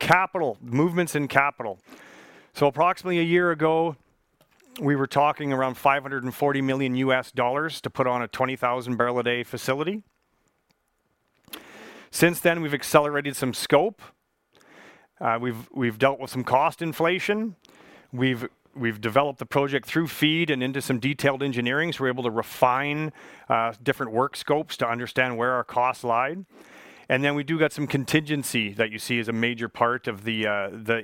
Capital, movements in capital. Approximately a year ago, we were talking around $540 million to put on a 20,000 barrel a day facility. Since then, we've accelerated some scope. We've dealt with some cost inflation. We've developed the project through FEED and into some detailed engineering, so we're able to refine different work scopes to understand where our costs lie. We do got some contingency that you see is a major part of the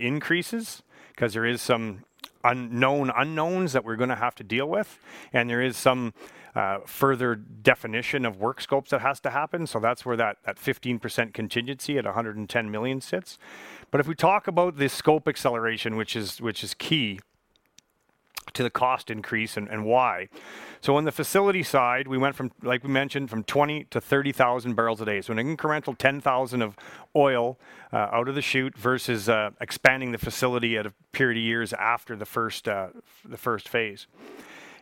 increases, 'cause there is some unknown unknowns that we're gonna have to deal with. There is some further definition of work scopes that has to happen. That's where that 15% contingency at $110 million sits. If we talk about the scope acceleration, which is key to the cost increase and why. On the facility side, we went from, like we mentioned, from 20,000 to 30,000 barrels a day. An incremental 10,000 of oil out of the chute versus expanding the facility at a period of years after the first phase.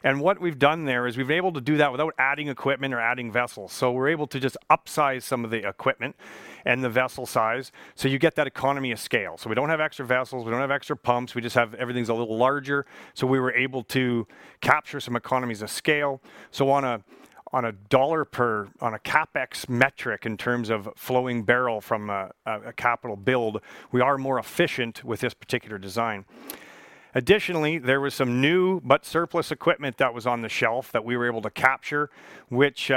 What we've done there is we've been able to do that without adding equipment or adding vessels. We're able to just upsize some of the equipment and the vessel size, so you get that economy of scale. We don't have extra vessels, we don't have extra pumps, we just have everything's a little larger. We were able to capture some economies of scale. On a dollar per, on a CapEx metric in terms of flowing barrel from a capital build, we are more efficient with this particular design. Additionally, there was some new but surplus equipment that was on the shelf that we were able to capture, which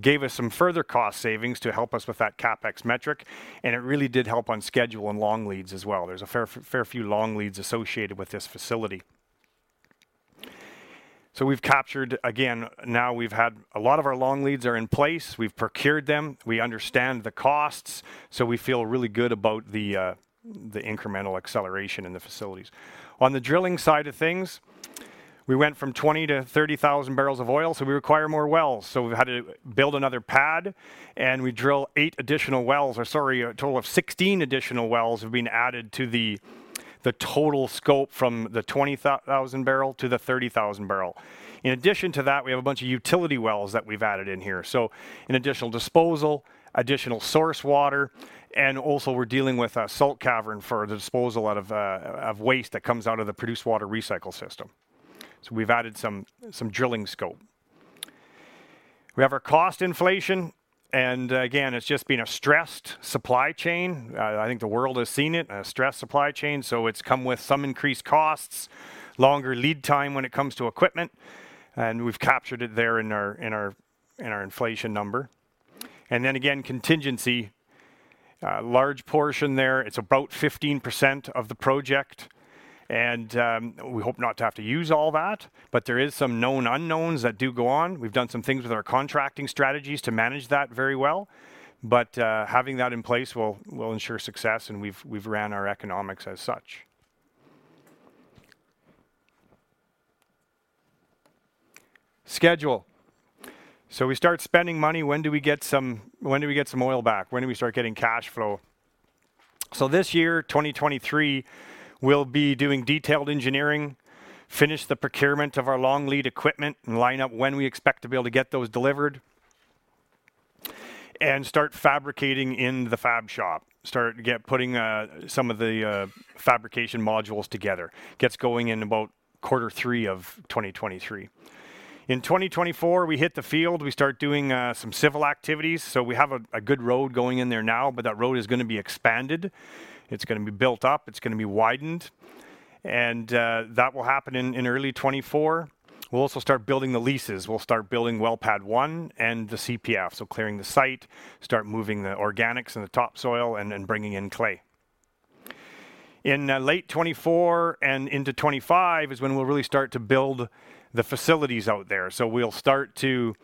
gave us some further cost savings to help us with that CapEx metric. It really did help on schedule and long leads as well. There's a fair few long leads associated with this facility. We've captured, again, now we've had a lot of our long leads are in place. We've procured them. We understand the costs. We feel really good about the incremental acceleration in the facilities. On the drilling side of things, we went from 20 to 30,000 barrels of oil, so we require more wells. We've had to build another pad, we drill eight additional wells, or sorry, a total of 16 additional wells have been added to the total scope from the 20 thousand barrel to the 30 thousand barrel. In addition to that, we have a bunch of utility wells that we've added in here. An additional disposal, additional source water, and also we're dealing with a salt cavern for the disposal out of waste that comes out of the produced water recycle system. We've added some drilling scope. We have our cost inflation, again, it's just been a stressed supply chain. I think the world has seen it, a stressed supply chain, so it's come with some increased costs, longer lead time when it comes to equipment, and we've captured it there in our inflation number. Then again, contingency, a large portion there. It's about 15% of the project, and we hope not to have to use all that, but there is some known unknowns that do go on. We've done some things with our contracting strategies to manage that very well. Having that in place will ensure success, and we've ran our economics as such. Schedule. We start spending money. When do we get some, when do we get some oil back? When do we start getting cash flow? This year, 2023, we'll be doing detailed engineering, finish the procurement of our long lead equipment and line up when we expect to be able to get those delivered, and start fabricating in the fab shop, start putting some of the fabrication modules together. Gets going in about quarter three of 2023. In 2024, we hit the field, we start doing some civil activities. We have a good road going in there now, but that road is gonna be expanded. It's gonna be built up, it's gonna be widened, and that will happen in early 2024. We'll also start building the leases. We'll start building well pad 1 and the CPF, so clearing the site, start moving the organics and the topsoil and then bringing in clay. In late 2024 and into 2025 is when we'll really start to build the facilities out there. We'll start to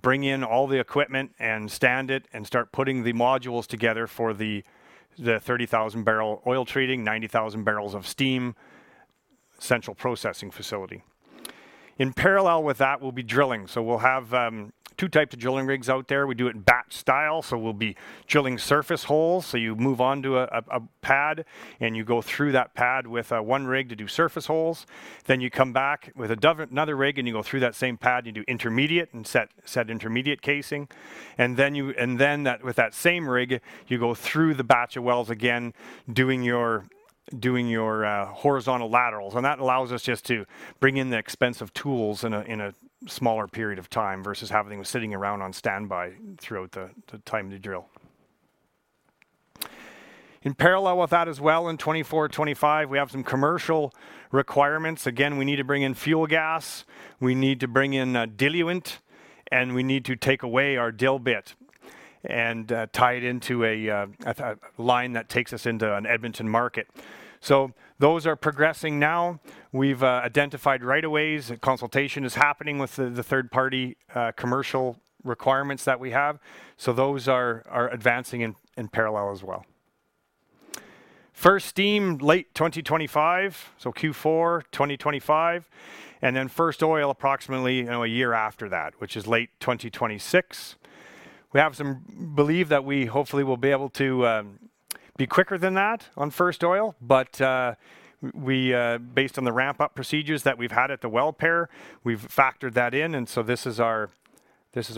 bring in all the equipment and stand it and start putting the modules together for the 30,000 barrel oil treating, 90,000 barrels of steam central processing facility. In parallel with that, we'll be drilling. We'll have two types of drilling rigs out there. We do it in batch style, so we'll be drilling surface holes. You move onto a pad, and you go through that pad with one rig to do surface holes. You come back with another rig, and you go through that same pad, and you do intermediate and set intermediate casing. Then that, with that same rig, you go through the batch of wells again, doing your horizontal laterals. That allows us just to bring in the expensive tools in a smaller period of time versus having them sitting around on standby throughout the time to drill. In parallel with that as well, in 2024, 2025, we have some commercial requirements. We need to bring in fuel gas, we need to bring in a diluent, and we need to take away our dilbit and tie it into a line that takes us into an Edmonton market. Those are progressing now. We've identified right of ways. Consultation is happening with the third party commercial requirements that we have. Those are advancing in parallel as well. First steam, late 2025, so Q4 2025. First oil approximately, you know, a year after that, which is late 2026. We have some belief that we hopefully will be able to be quicker than that on first oil. We based on the ramp-up procedures that we've had at the well pair, we've factored that in, and so this is our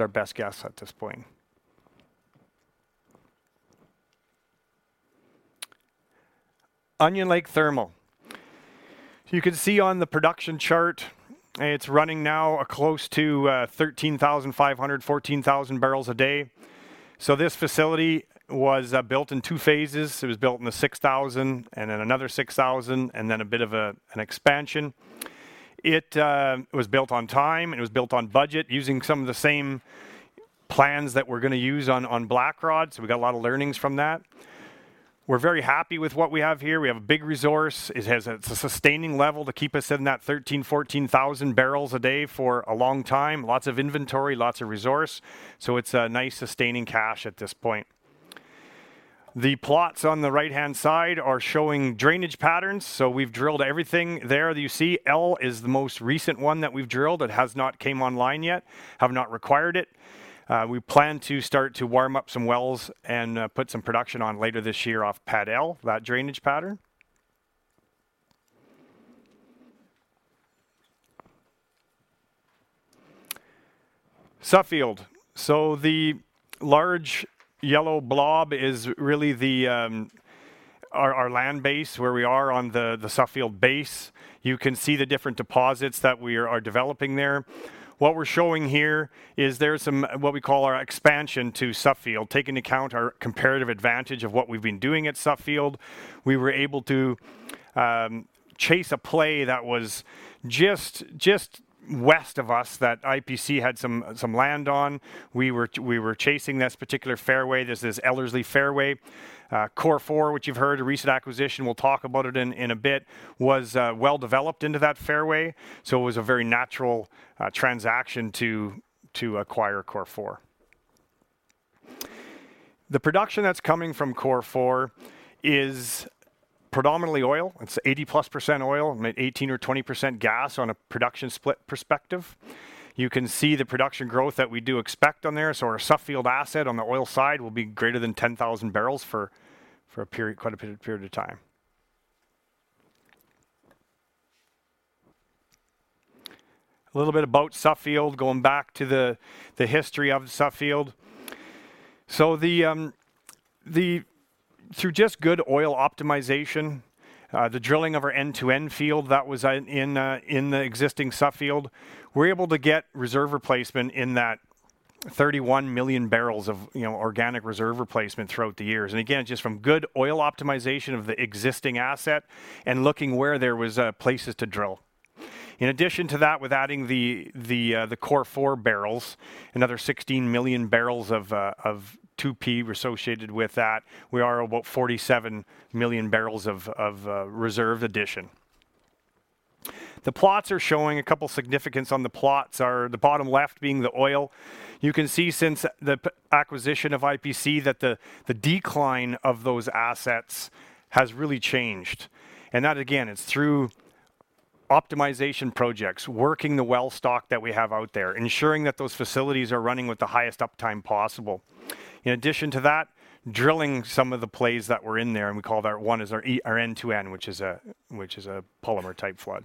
best guess at this point. Onion Lake Thermal. You can see on the production chart, it's running now close to 13,500-14,000 barrels a day. This facility was built in two phases. It was built in the 6,000 and then another 6,000 and then a bit of an expansion. It was built on time, and it was built on budget using some of the same plans that we're going to use on Blackrod, so we got a lot of learnings from that. We're very happy with what we have here. We have a big resource. It's a sustaining level to keep us in that 13,000-14,000 barrels a day for a long time. Lots of inventory, lots of resource. It's a nice sustaining cash at this point. The plots on the right-hand side are showing drainage patterns. We've drilled everything there that you see. Pad L is the most recent one that we've drilled. It has not came online yet. Have not required it. We plan to start to warm up some wells and put some production on later this year off Pad L, that drainage pattern. Suffield. The large yellow blob is really our land base, where we are on the Suffield base. You can see the different deposits that we are developing there. What we're showing here is there's some, what we call our expansion to Suffield, taking account our comparative advantage of what we've been doing at Suffield. We were able to chase a play that was just west of us that IPC had some land on. We were chasing this particular fairway. There's this Ellerslie fairway. Cor4, which you've heard, a recent acquisition, we'll talk about it in a bit, was well developed into that fairway. It was a very natural transaction to acquire Cor4. The production that's coming from Cor4 is predominantly oil. It's 80% plus oil, may 18% or 20% gas on a production split perspective. You can see the production growth that we do expect on there. Our Suffield asset on the oil side will be greater than 10,000 barrels for a period, quite a period of time. A little bit about Suffield, going back to the history of Suffield. Through just good oil optimization, the drilling of our end-to-end field that was in the existing Suffield, we're able to get reserve replacement in that 31 million barrels of, you know, organic reserve replacement throughout the years. Again, just from good oil optimization of the existing asset and looking where there was places to drill. In addition to that, with adding the Cor4 barrels, another 16 million barrels of 2P associated with that, we are about 47 million barrels of reserve addition. The plots are showing a couple significance on the plots are the bottom left being the oil. You can see since the acquisition of IPC that the decline of those assets has really changed. That, again, is through optimization projects, working the well stock that we have out there, ensuring that those facilities are running with the highest uptime possible. In addition to that, drilling some of the plays that were in there, and we call that one is our end-to-end, which is a polymer type flood.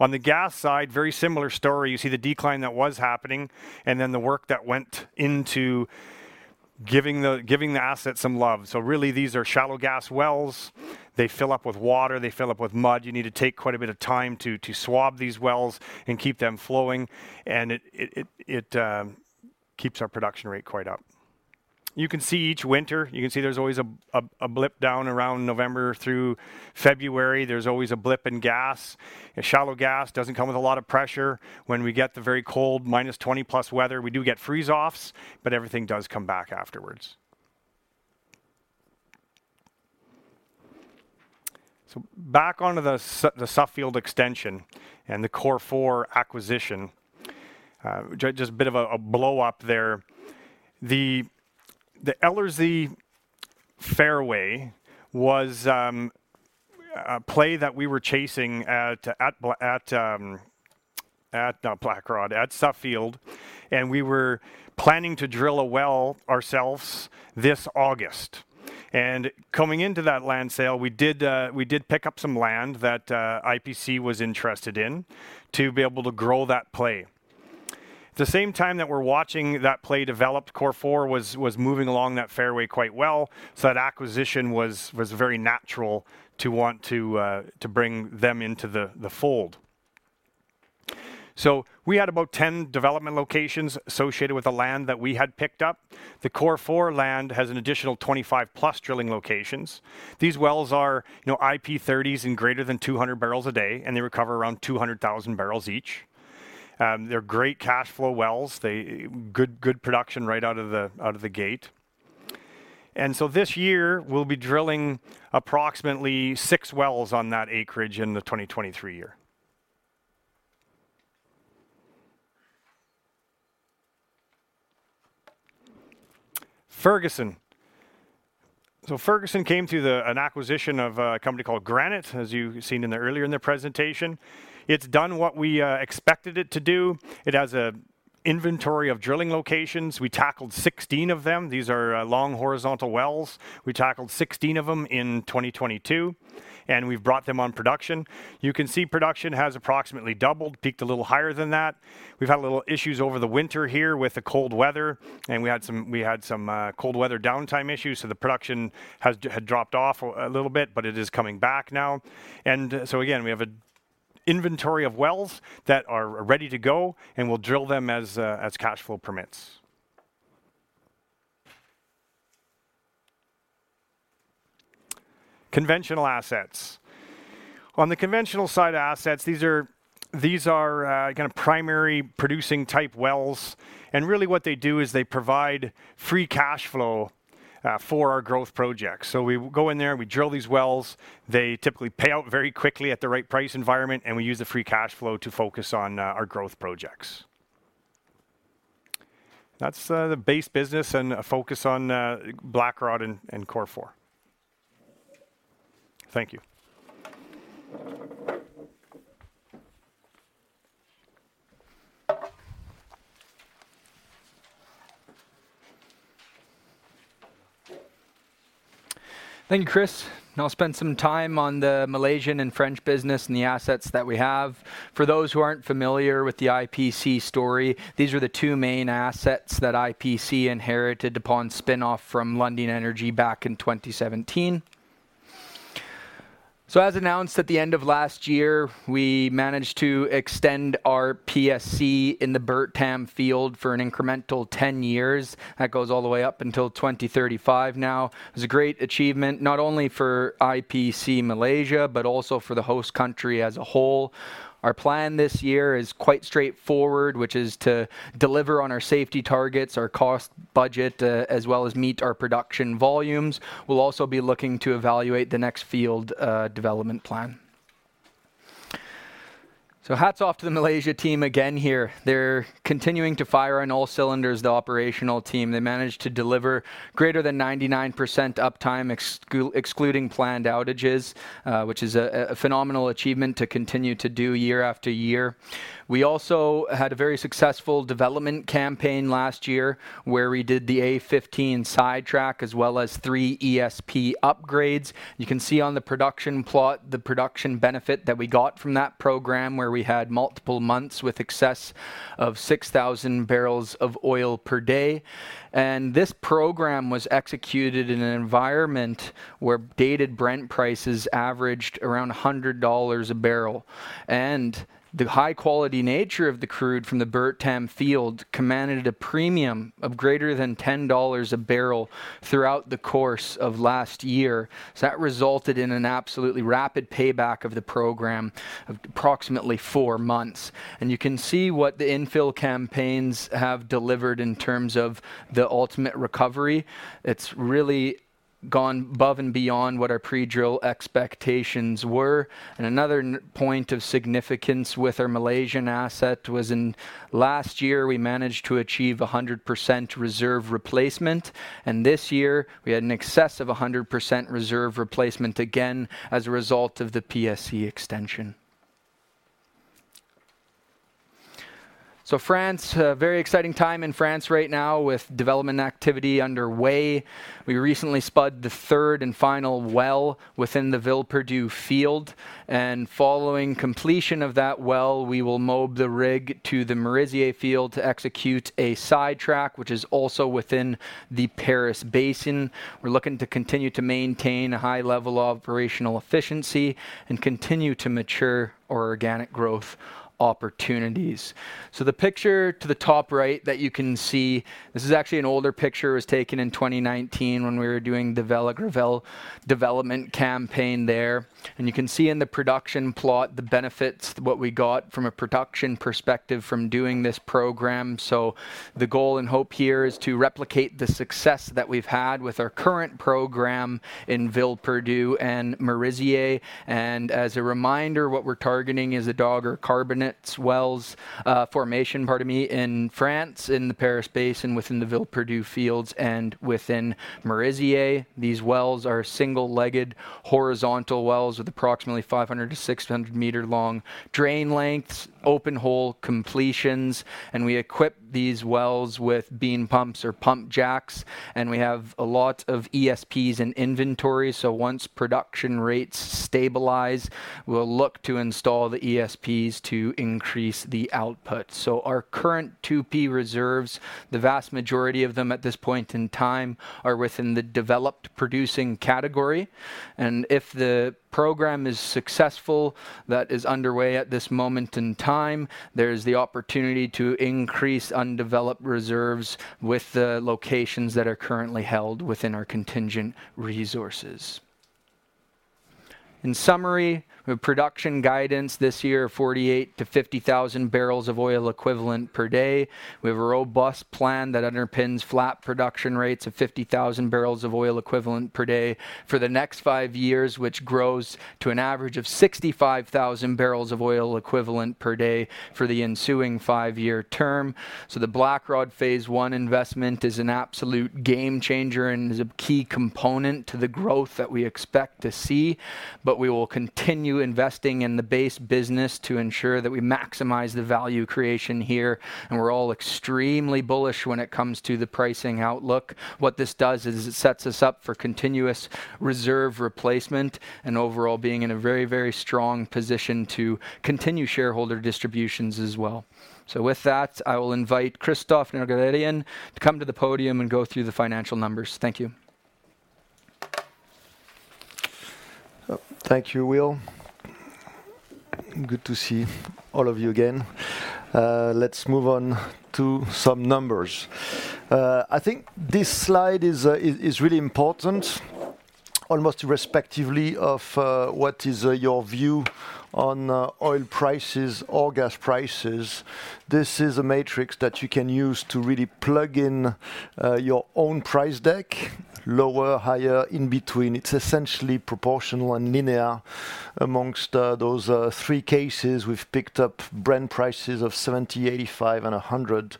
On the gas side, very similar story. You see the decline that was happening, the work that went into giving the asset some love. Really, these are shallow gas wells. They fill up with water. They fill up with mud. You need to take quite a bit of time to swab these wells and keep them flowing. It keeps our production rate quite up. You can see each winter, you can see there's always a blip down around November through February. There's always a blip in gas. A shallow gas doesn't come with a lot of pressure. When we get the very cold -20+ weather, we do get freeze offs, but everything does come back afterwards. Back onto the Suffield extension and the Cor4 acquisition, just a bit of a blow up there. The Ellerslie fairway was a play that we were chasing at Blackrod, at Suffield, and we were planning to drill a well ourselves this August. Coming into that land sale, we did pick up some land that IPC was interested in to be able to grow that play. At the same time that we're watching that play develop, Cor4 was moving along that fairway quite well. That acquisition was very natural to want to bring them into the fold. We had about 10 development locations associated with the land that we had picked up. The Cor4 land has an additional 25 plus drilling locations. These wells are, you know, IP30s and greater than 200 barrels a day, and they recover around 200,000 barrels each. They're great cash flow wells. They're good production right out of the gate. This year, we'll be drilling approximately 6 wells on that acreage in the 2023 year. Ferguson. Ferguson came through the an acquisition of a company called Granite, as you've seen in the earlier in the presentation. It's done what we expected it to do. It has a inventory of drilling locations. We tackled 16 of them. These are long horizontal wells. We tackled 16 of them in 2022, and we've brought them on production. You can see production has approximately doubled, peaked a little higher than that. We've had a little issues over the winter here with the cold weather, and we had some cold weather downtime issues, so the production had dropped off a little bit, but it is coming back now. Again, we have an inventory of wells that are ready to go, and we'll drill them as cash flow permits. Conventional assets. On the conventional side assets, these are kind of primary producing type wells. Really what they do is they provide free cash flow for our growth projects. We go in there, we drill these wells. They typically pay out very quickly at the right price environment, and we use the free cash flow to focus on our growth projects. That's the base business and a focus on Blackrod and Cor4. Thank you. Thank you, Chris. I'll spend some time on the Malaysian and French business and the assets that we have. For those who aren't familiar with the IPC story, these are the 2 main assets that IPC inherited upon spin-off from Lundin Energy back in 2017. As announced at the end of last year, we managed to extend our PSC in the Bertam Field for an incremental 10 years. That goes all the way up until 2035 now. It was a great achievement, not only for IPC Malaysia, but also for the host country as a whole. Our plan this year is quite straightforward, which is to deliver on our safety targets, our cost budget, as well as meet our production volumes. We'll also be looking to evaluate the next field development plan. Hats off to the Malaysia team again here. They're continuing to fire on all cylinders, the operational team. They managed to deliver greater than 99% uptime excluding planned outages, which is a phenomenal achievement to continue to do year after year. We also had a very successful development campaign last year, where we did the A15 sidetrack as well as 3 ESP upgrades. You can see on the production plot the production benefit that we got from that program, where we had multiple months with excess of 6,000 barrels of oil per day. This program was executed in an environment where Dated Brent prices averaged around $100 a barrel. The high-quality nature of the crude from the Bertam Field commanded a premium of greater than $10 a barrel throughout the course of last year. That resulted in an absolutely rapid payback of the program of approximately 4 months. You can see what the infill campaigns have delivered in terms of the ultimate recovery. It's really gone above and beyond what our pre-drill expectations were. Another point of significance with our Malaysian asset was in last year, we managed to achieve 100% reserve replacement, and this year we had an excess of 100% reserve replacement again as a result of the PSC extension. France, a very exciting time in France right now with development activity underway. We recently spudded the third and final well within the Villeperdue field, and following completion of that well, we will mob the rig to the Merisier field to execute a sidetrack, which is also within the Paris Basin. We're looking to continue to maintain a high level of operational efficiency and continue to mature our organic growth opportunities. The picture to the top right that you can see, this is actually an older picture. It was taken in 2019 when we were doing the Vert-la-Gravelle development campaign there. You can see in the production plot the benefits, what we got from a production perspective from doing this program. The goal and hope here is to replicate the success that we've had with our current program in Villeperdue and Merisier. As a reminder, what we're targeting is a Dogger carbonates wells, formation, pardon me, in France, in the Paris Basin, within the Villeperdue fields and within Merisier. These wells are single-legged horizontal wells with approximately 500 to 600 m long drain lengths, open hole completions. We equip these wells with Beam pumps or pump jacks, and we have a lot of ESP in inventory. Once production rates stabilize, we'll look to install the ESP to increase the output. Our current 2P reserves, the vast majority of them at this point in time are within the developed producing category. If the program is successful that is underway at this moment in time, there is the opportunity to increase undeveloped reserves with the locations that are currently held within our contingent resources. In summary, our production guidance this year, 48,000-50,000 barrels of oil equivalent per day. We have a robust plan that underpins flat production rates of 50,000 barrels of oil equivalent per day for the next 5 years, which grows to an average of 65,000 barrels of oil equivalent per day for the ensuing 5-year term. The Blackrod Phase 1 investment is an absolute game changer and is a key component to the growth that we expect to see. We will continue investing in the base business to ensure that we maximize the value creation here, and we're all extremely bullish when it comes to the pricing outlook. What this does is it sets us up for continuous reserve replacement and overall being in a very, very strong position to continue shareholder distributions as well. With that, I will invite Christophe Nerguararian to come to the podium and go through the financial numbers. Thank you. Thank you, Will. Good to see all of you again. Let's move on to some numbers. I think this slide is really important almost respectively of what is your view on oil prices or gas prices. This is a matrix that you can use to really plug in your own price deck, lower, higher, in between. It's essentially proportional and linear amongst those three cases. We've picked up Brent prices of $70, $85, and $100.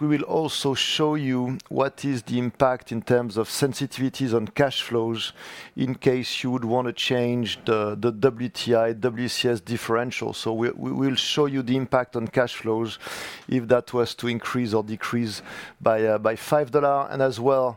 We will also show you what is the impact in terms of sensitivities on cash flows in case you would wanna change the WTI, WCS differential. We will show you the impact on cash flows if that was to increase or decrease by $5.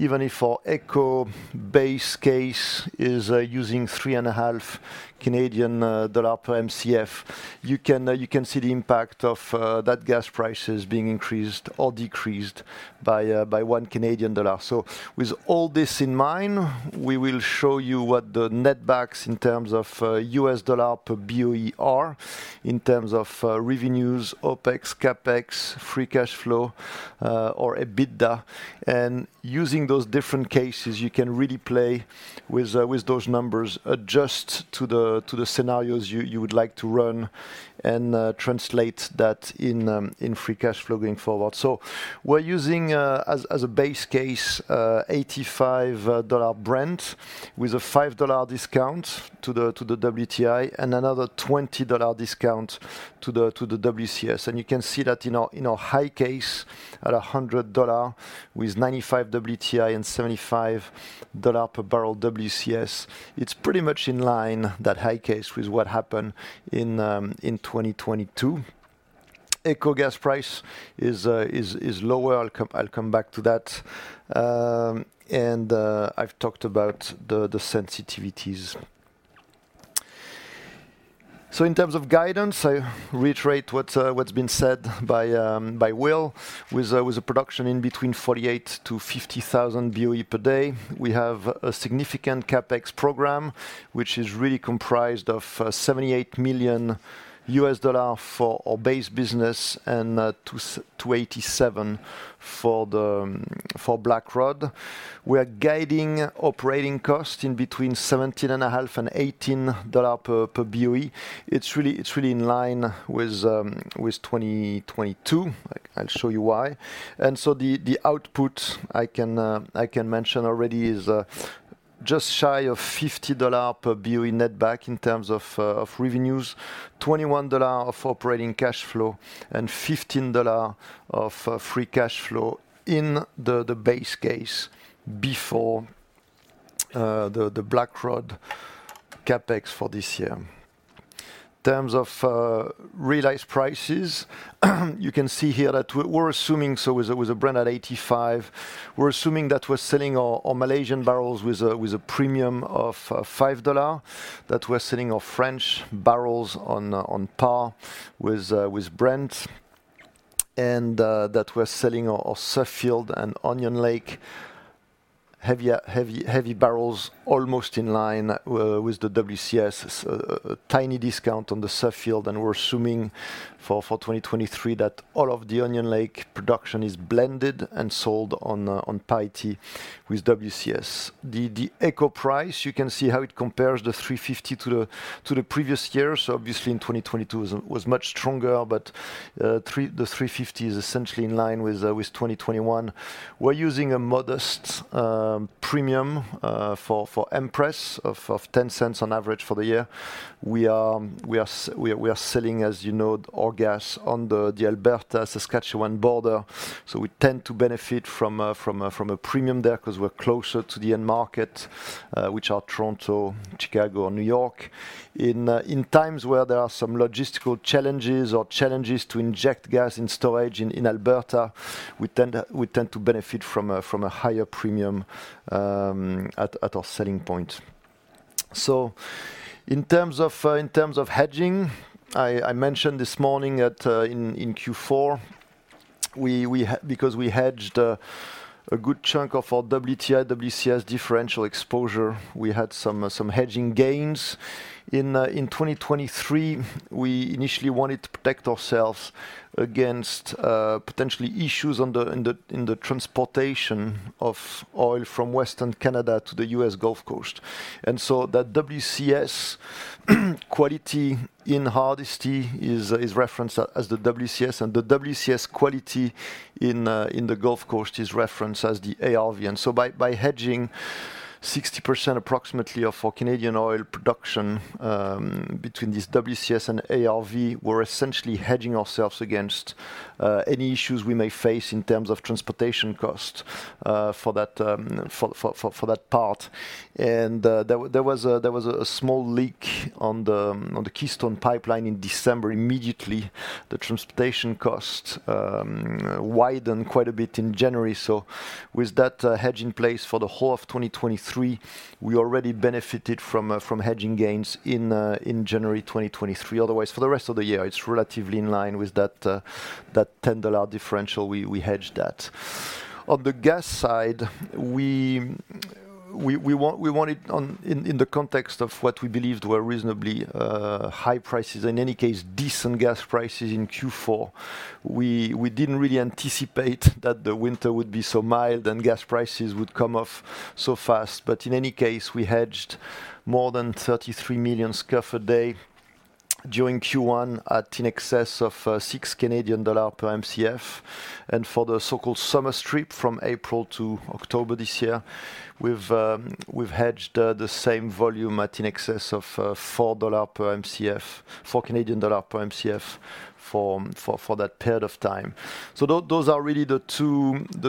Even if our AECO base case is using three and a half Canadian dollar per Mcf, you can see the impact of that gas prices being increased or decreased by 1 Canadian dollar. With all this in mind, we will show you what the netbacks in terms of US dollar per BOE are in terms of revenues, OpEx, CapEx, free cash flow, or EBITDA. Using those different cases, you can really play with those numbers, adjust to the scenarios you would like to run. Translate that in free cash flow going forward. We're using as a base case $85 Brent with a $5 discount to the WTI and another $20 discount to the WCS. You can see that in our high case at $100 with $95 WTI and $75 per barrel WCS. It's pretty much in line, that high case, with what happened in 2022. AECO gas price is lower. I'll come back to that. I've talked about the sensitivities. In terms of guidance, I reiterate what's been said by Will. With a production in between 48,000-50,000 BOE per day. We have a significant CapEx program, which is really comprised of $78 million for our base business and $287 million for Blackrod. We're guiding operating costs in between $17.50-$18 per BOE. It's really in line with 2022. I'll show you why. The output I can mention already is just shy of $50 per BOE netback in terms of revenues. $21 of operating cash flow and $15 of free cash flow in the base case before the Blackrod CapEx for this year. In terms of realized prices, you can see here that we're assuming, so with a Brent at 85, we're assuming that we're selling our Malaysian barrels with a premium of $5. That we're selling our French barrels on par with Brent. That we're selling our Suffield and Onion Lake heavy barrels almost in line with the WCS. A tiny discount on the Suffield. We're assuming for 2023 that all of the Onion Lake production is blended and sold on parity with WCS. The AECO price, you can see how it compares the 3.50 to the previous year. Obviously in 2022 was much stronger, but the 3.50 is essentially in line with 2021. We're using a modest premium for Empress of 0.10 on average for the year. We are selling, as you know, our gas on the Alberta-Saskatchewan border. We tend to benefit from a premium there because we're closer to the end market, which are Toronto, Chicago, or New York. In times where there are some logistical challenges or challenges to inject gas in storage in Alberta, we tend to benefit from a higher premium at our selling point. In terms of hedging, I mentioned this morning in Q4, we hedged a good chunk of our WTI, WCS differential exposure, we had some hedging gains. In 2023, we initially wanted to protect ourselves against potentially issues in the transportation of oil from Western Canada to the US Gulf Coast. That WCS quality in Hardisty is referenced as the WCS, and the WCS quality in the Gulf Coast is referenced as the ARV. By hedging 60% approximately of our Canadian oil production between this WCS and ARV, we're essentially hedging ourselves against any issues we may face in terms of transportation costs for that part. There was a small leak on the Keystone Pipeline in December. Immediately, the transportation costs widened quite a bit in January. With that hedge in place for the whole of 2023, we already benefited from hedging gains in January 2023. Otherwise, for the rest of the year, it's relatively in line with that $10 differential we hedged at. On the gas side, we wanted in the context of what we believed were reasonably high prices, in any case, decent gas prices in Q4. We didn't really anticipate that the winter would be so mild and gas prices would come off so fast. In any case, we hedged more than 33 million scf/day during Q1 at in excess of 6 Canadian dollars per MCF. For the so-called summer strip from April to October this year, we've hedged the same volume at in excess of 4 dollar per MCF, 4 Canadian dollar per MCF for that period of time. Those are really the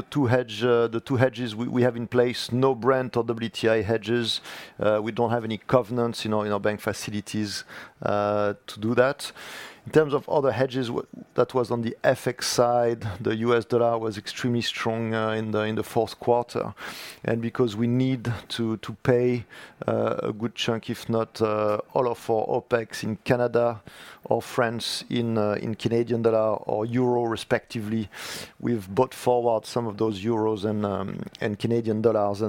two hedges we have in place. No Brent or WTI hedges. We don't have any covenants, you know, in our bank facilities to do that. In terms of other hedges that was on the FX side, the US dollar was extremely strong in the Q4. Because we need to pay a good chunk, if not, all of our OpEx in Canada or France in Canadian dollar or euro respectively, we've brought forward some of those euros and Canadian dollars.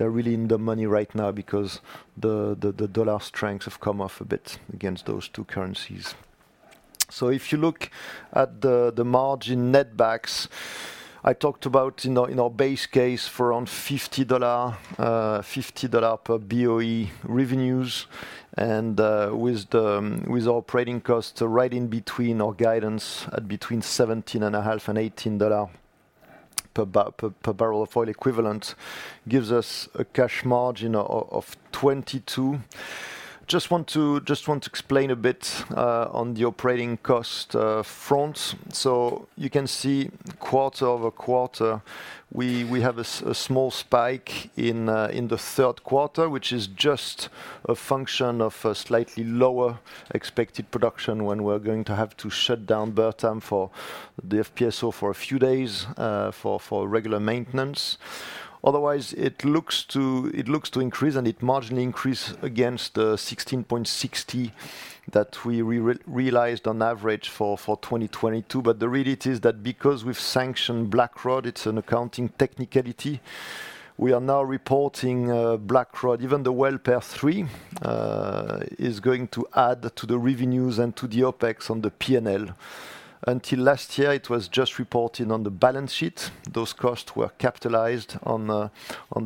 They're really in the money right now because the dollar strengths have come off a bit against those two currencies. If you look at the margin netbacks, I talked about in our base case for around $50 per BOE revenues and with our operating costs right in between our guidance at between 17.5 and $18 per barrel of oil equivalent gives us a cash margin of $22. Just want to explain a bit on the operating cost front. You can see quarter-over-quarter, we have a small spike in the third quarter, which is just a function of a slightly lower expected production when we're going to have to shut down Bertam for the FPSO for a few days for regular maintenance. Otherwise, it looks to increase, and it marginally increase against 16.60 that we realized on average for 2022. The reality is that because we've sanctioned Blackrod, it's an accounting technicality, we are now reporting Blackrod. Even the Well Pair 3 is going to add to the revenues and to the OpEx on the P&L. Until last year, it was just reported on the balance sheet. Those costs were capitalized on the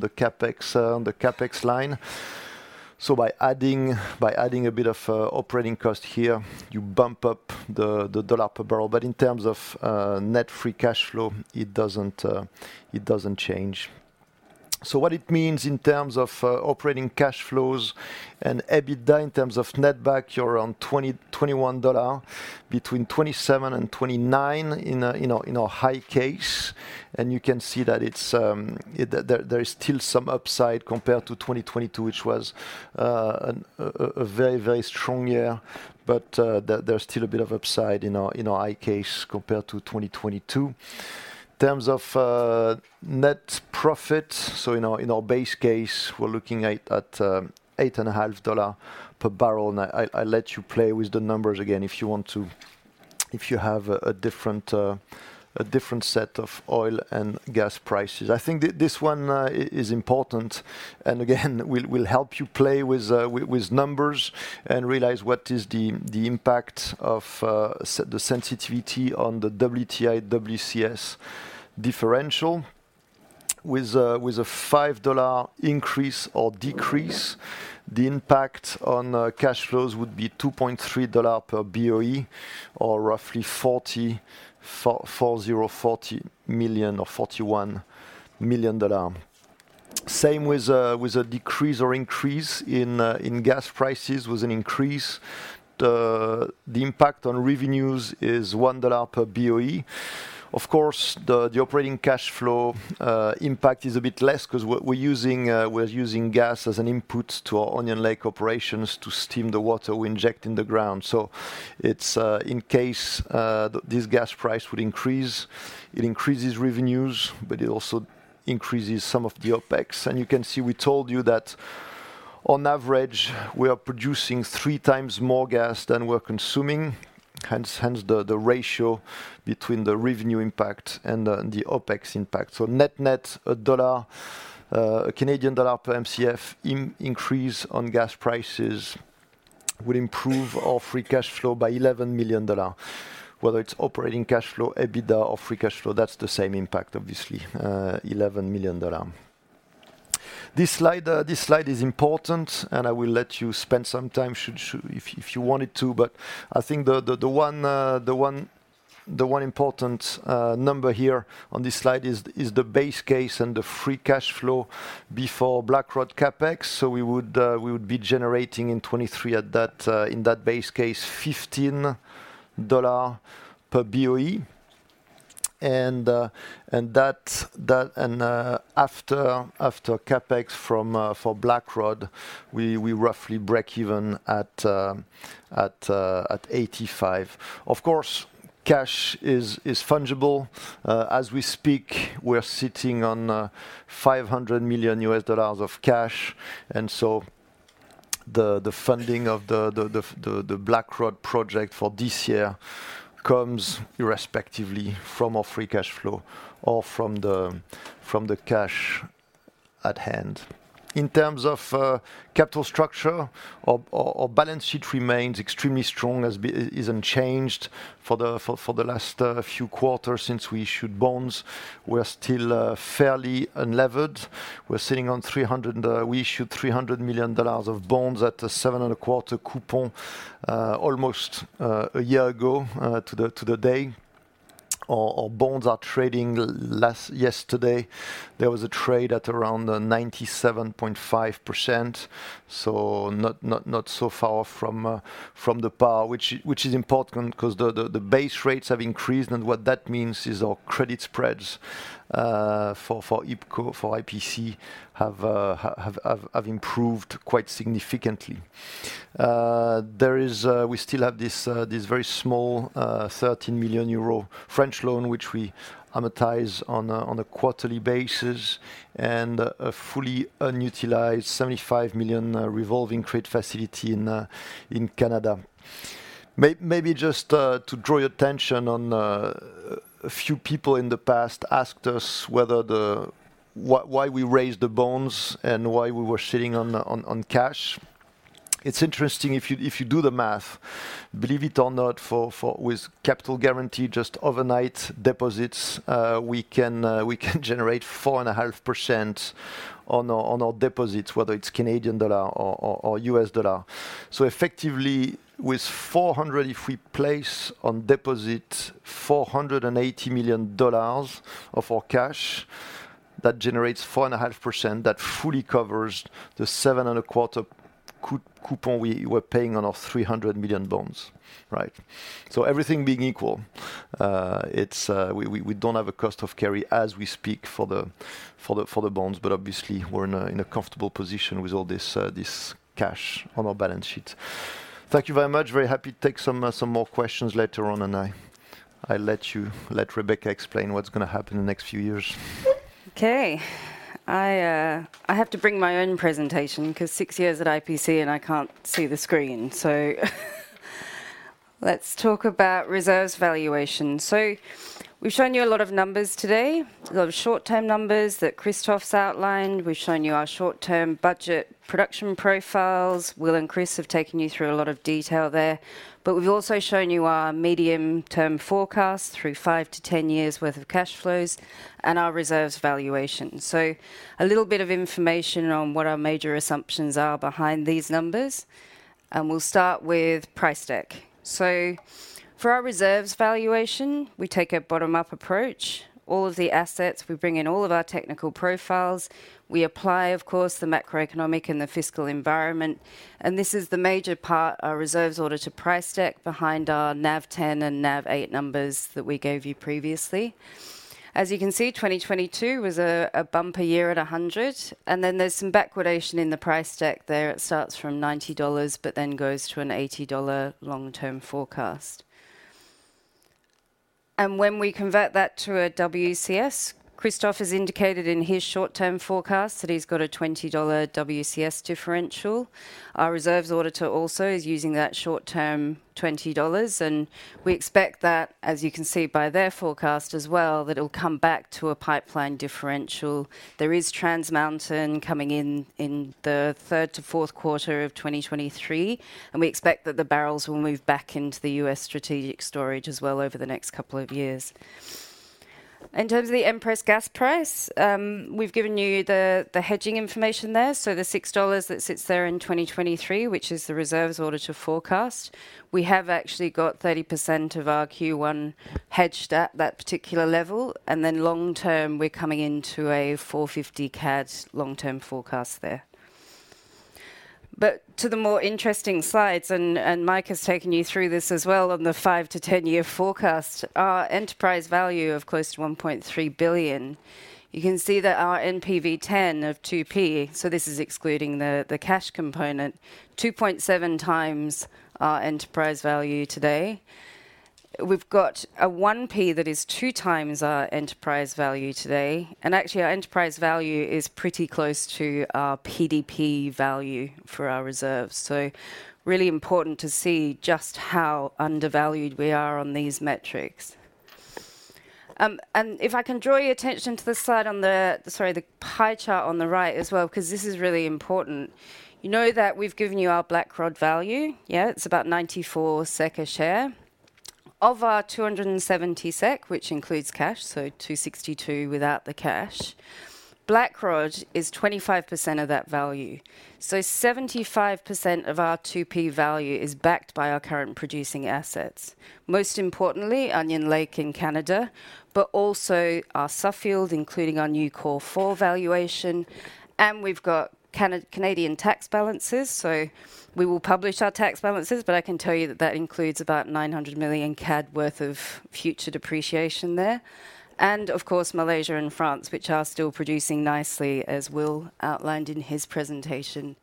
CapEx line. By adding a bit of operating cost here, you bump up the $ per barrel. In terms of net free cash flow, it doesn't change. What it means in terms of operating cash flows and EBITDA, in terms of netback, you're around $20-$21 between $27 and $29 in our high case. You can see that it's. There is still some upside compared to 2022, which was a very, very strong year. There's still a bit of upside in our high case compared to 2022. In terms of net profit, in our base case, we're looking at $8.50 per barrel I'll let you play with the numbers again if you want to, if you have a different set of oil and gas prices. I think this one is important, and again, we'll help you play with numbers and realize what is the impact of the sensitivity on the WTI, WCS differential. With a $5 increase or decrease, the impact on cash flows would be $2.3 per BOE or roughly $41 million. Same with a decrease or increase in gas prices. With an increase, the impact on revenues is $1 per BOE. Of course, the operating cash flow impact is a bit less 'cause we're using gas as an input to our Onion Lake operations to steam the water we inject in the ground. It's in case this gas price would increase, it increases revenues, but it also increases some of the OpEx. You can see, we told you that on average, we are producing 3x more gas than we're consuming, hence the ratio between the revenue impact and the OpEx impact. Net-net, a CAD 1 per MCF increase on gas prices will improve our free cash flow by $11 million. Whether it's operating cash flow, EBITDA or free cash flow, that's the same impact, obviously, $11 million. This slide is important. I will let you spend some time if you wanted to. I think the one important number here on this slide is the base case and the free cash flow before Blackrod CapEx. We would be generating in 23 at that in that base case, $15 per BOE. After CapEx for Blackrod, we roughly break even at $85. Of course, cash is fungible. As we speak, we're sitting on $500 million of cash. The funding of the Blackrod project for this year comes irrespectively from our free cash flow or from the cash at hand. In terms of capital structure, our balance sheet remains extremely strong, is unchanged for the last few quarters since we issued bonds. We're still fairly unlevered. We issued $300 million of bonds at a 7.25% coupon almost a year ago to the day. Our bonds are trading yesterday. There was a trade at around 97.5%, so not so far from the par, which is important 'cause the base rates have increased, and what that means is our credit spreads for IPCO, for IPC have improved quite significantly. There is, we still have this very small 13 million euro French loan, which we amortize on a quarterly basis, and a fully unutilized $75 million revolving credit facility in Canada. Maybe just to draw your attention on a few people in the past asked us whether Why we raised the bonds and why we were sitting on cash. It's interesting if you do the math, believe it or not, for with capital guarantee, just overnight deposits, we can generate 4.5% on our deposits, whether it's Canadian dollar or US dollar. Effectively, with 400, if we place on deposit $480 million of our cash, that generates 4.5%, that fully covers the seven and a quarter coupon we were paying on our $300 million bonds, right. Everything being equal, it's, we don't have a cost of carry as we speak for the bonds, but obviously we're in a comfortable position with all this cash on our balance sheet. Thank you very much. Very happy to take some more questions later on, and I let you let Rebecca explain what's gonna happen in the next few years. Okay. I have to bring my own presentation 'cause six years at IPC and I can't see the screen. Let's talk about reserves valuation. We've shown you a lot of numbers today, a lot of short-term numbers that Christophe's outlined. We've shown you our short-term budget production profiles. Will and Chris have taken you through a lot of detail there. We've also shown you our medium-term forecast through 5-10 years worth of cash flows and our reserves valuation. A little bit of information on what our major assumptions are behind these numbers, and we'll start with price deck. For our reserves valuation, we take a bottom-up approach. All of the assets, we bring in all of our technical profiles. We apply, of course, the macroeconomic and the fiscal environment, and this is the major part, our reserves order to price deck behind our NAV 10 and NAV 8 numbers that we gave you previously. As you can see, 2022 was a bumper year at $100, and then there's some backwardation in the price deck there. It starts from $90 but then goes to an $80 long-term forecast. When we convert that to a WCS, Christophe has indicated in his short-term forecast that he's got a $20 WCS differential. Our reserves auditor also is using that short-term $20, and we expect that, as you can see by their forecast as well, that it'll come back to a pipeline differential. There is Trans Mountain coming in the Q3 to Q4 of 2023, we expect that the barrels will move back into the U.S. strategic storage as well over the next couple of years. In terms of the Empress gas price, we've given you the hedging information there. The $6 that sits there in 2023, which is the reserves auditor forecast, we have actually got 30% of our Q1 hedged at that particular level, and then long term, we're coming into a 4.50 CAD long-term forecast there. To the more interesting slides, and Mike has taken you through this as well on the 5-10-year forecast, our enterprise value of close to $1.3 billion, you can see that our NPV 10 of 2P, so this is excluding the cash component, 2.7x our enterprise value today. We've got a 1P that is 2x our enterprise value today, and actually our enterprise value is pretty close to our PDP value for our reserves. Really important to see just how undervalued we are on these metrics. And if I can draw your attention to the slide on the pie chart on the right as well, because this is really important. You know that we've given you our Blackrod value, yeah, it's about 94 SEK a share. Of our 270 SEK, which includes cash, so 262 without the cash, Blackrod is 25% of that value. 75% of our 2P value is backed by our current producing assets. Most importantly, Onion Lake in Canada, but also our Suffield, including our new Cor4 valuation. We've got Canadian tax balances. We will publish our tax balances, but I can tell you that that includes about 900 million CAD worth of future depreciation there. Of course, Malaysia and France, which are still producing nicely, as Will outlined in his presentation.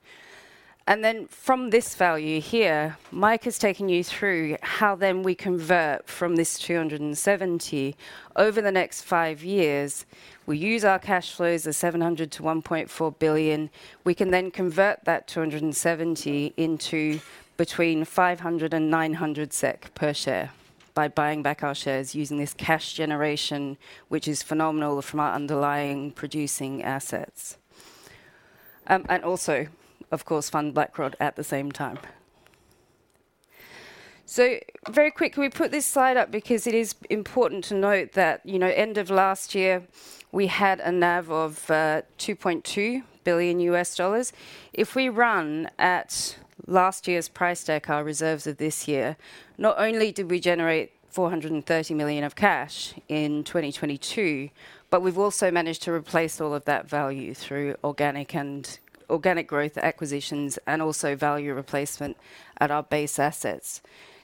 From this value here, Mike has taken you through how then we convert from this 270 over the next five years. We use our cash flows of 700 million to 1.4 billion. We can then convert that 270 into between 500-900 SEK per share by buying back our shares using this cash generation, which is phenomenal from our underlying producing assets. Also, of course, fund Blackrod at the same time. Very quick, we put this slide up because it is important to note that, you know, end of last year, we had a NAV of $2.2 billion. If we run at last year's price deck, our reserves of this year, not only did we generate $430 million of cash in 2022, but we've also managed to replace all of that value through organic growth acquisitions and also value replacement at our base assets.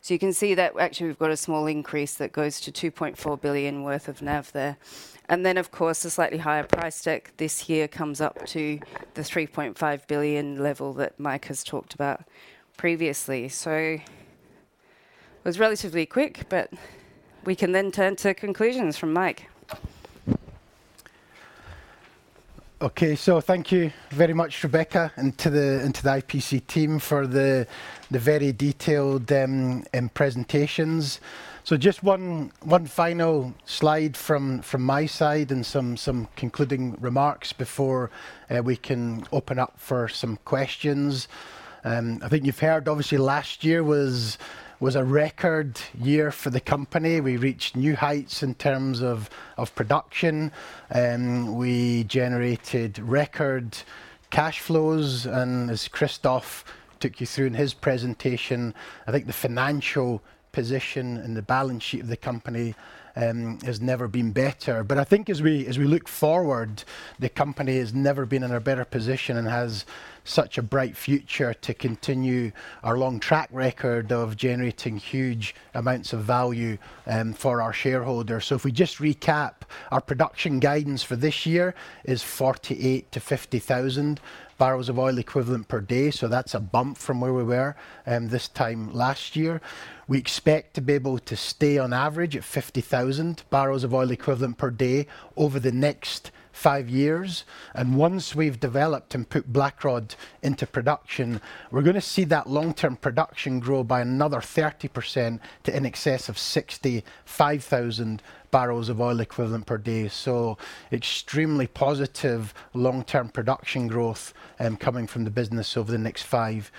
You can see that actually we've got a small increase that goes to $2.4 billion worth of NAV there. Then, of course, a slightly higher price deck this year comes up to the $3.5 billion level that Mike has talked about previously. It was relatively quick, but we can then turn to conclusions from Mike. Thank you very much, Rebecca, and to the IPC team for the very detailed presentations. Just one final slide from my side and some concluding remarks before we can open up for some questions. I think you've heard obviously last year was a record year for the company. We reached new heights in terms of production, we generated record cash flows. As Christophe took you through in his presentation, I think the financial position and the balance sheet of the company has never been better. I think as we look forward, the company has never been in a better position and has such a bright future to continue our long track record of generating huge amounts of value for our shareholders. If we just recap, our production guidance for this year is 48 to 50,000 barrels of oil equivalent per day. That's a bump from where we were this time last year. We expect to be able to stay on average at 50,000 barrels of oil equivalent per day over the next 5 years. Once we've developed and put Blackrod into production, we're gonna see that long-term production grow by another 30% to in excess of 65,000 barrels of oil equivalent per day. Extremely positive long-term production growth coming from the business over the next 5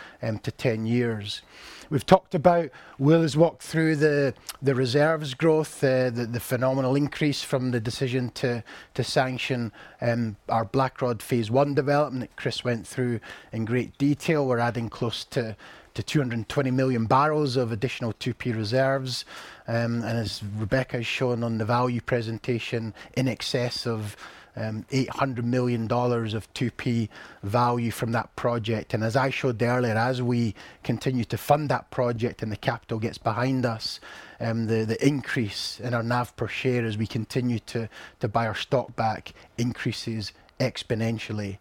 to 10 years. Will has walked through the reserves growth, the phenomenal increase from the decision to sanction our Blackrod phase one development. Chris went through in great detail. We're adding close to 220 million barrels of additional 2P reserves. As Rebecca has shown on the value presentation, in excess of $800 million of 2P value from that project. As I showed earlier, as we continue to fund that project and the capital gets behind us, the increase in our NAV per share as we continue to buy our stock back increases exponentially.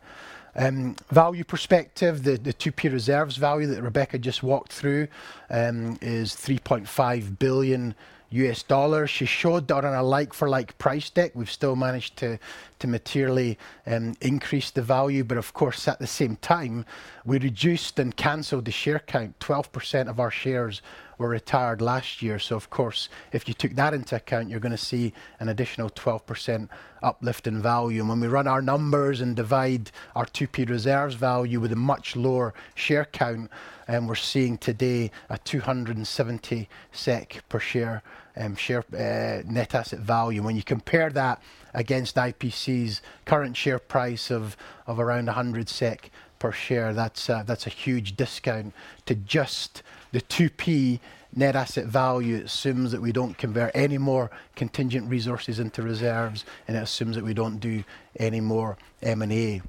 Value perspective, the 2P reserves value that Rebecca just walked through is $3.5 billion. She showed on a like for like price deck, we've still managed to materially increase the value. Of course, at the same time, we reduced and canceled the share count. 12% of our shares were retired last year. Of course, if you took that into account, you're gonna see an additional 12% uplift in value. When we run our numbers and divide our 2P reserves value with a much lower share count, we're seeing today a 270 SEK per share net asset value. When you compare that against IPC's current share price of around 100 SEK per share, that's a huge discount to just the 2P net asset value. It assumes that we don't convert any more contingent resources into reserves, and it assumes that we don't do any more M&A. The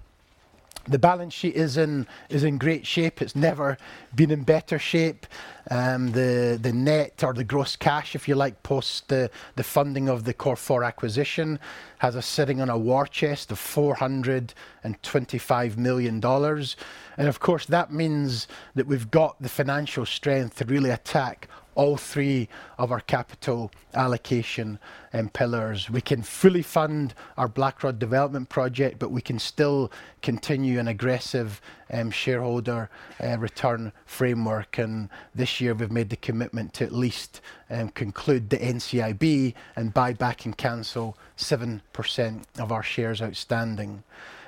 balance sheet is in great shape. It's never been in better shape. The net or the gross cash, if you like, post the funding of the Cor4 acquisition, has us sitting on a war chest of $425 million. Of course, that means that we've got the financial strength to really attack all three of our capital allocation pillars. We can fully fund our Blackrod development project, but we can still continue an aggressive shareholder return framework. This year, we've made the commitment to at least conclude the NCIB and buy back and cancel 7% of our shares outstanding.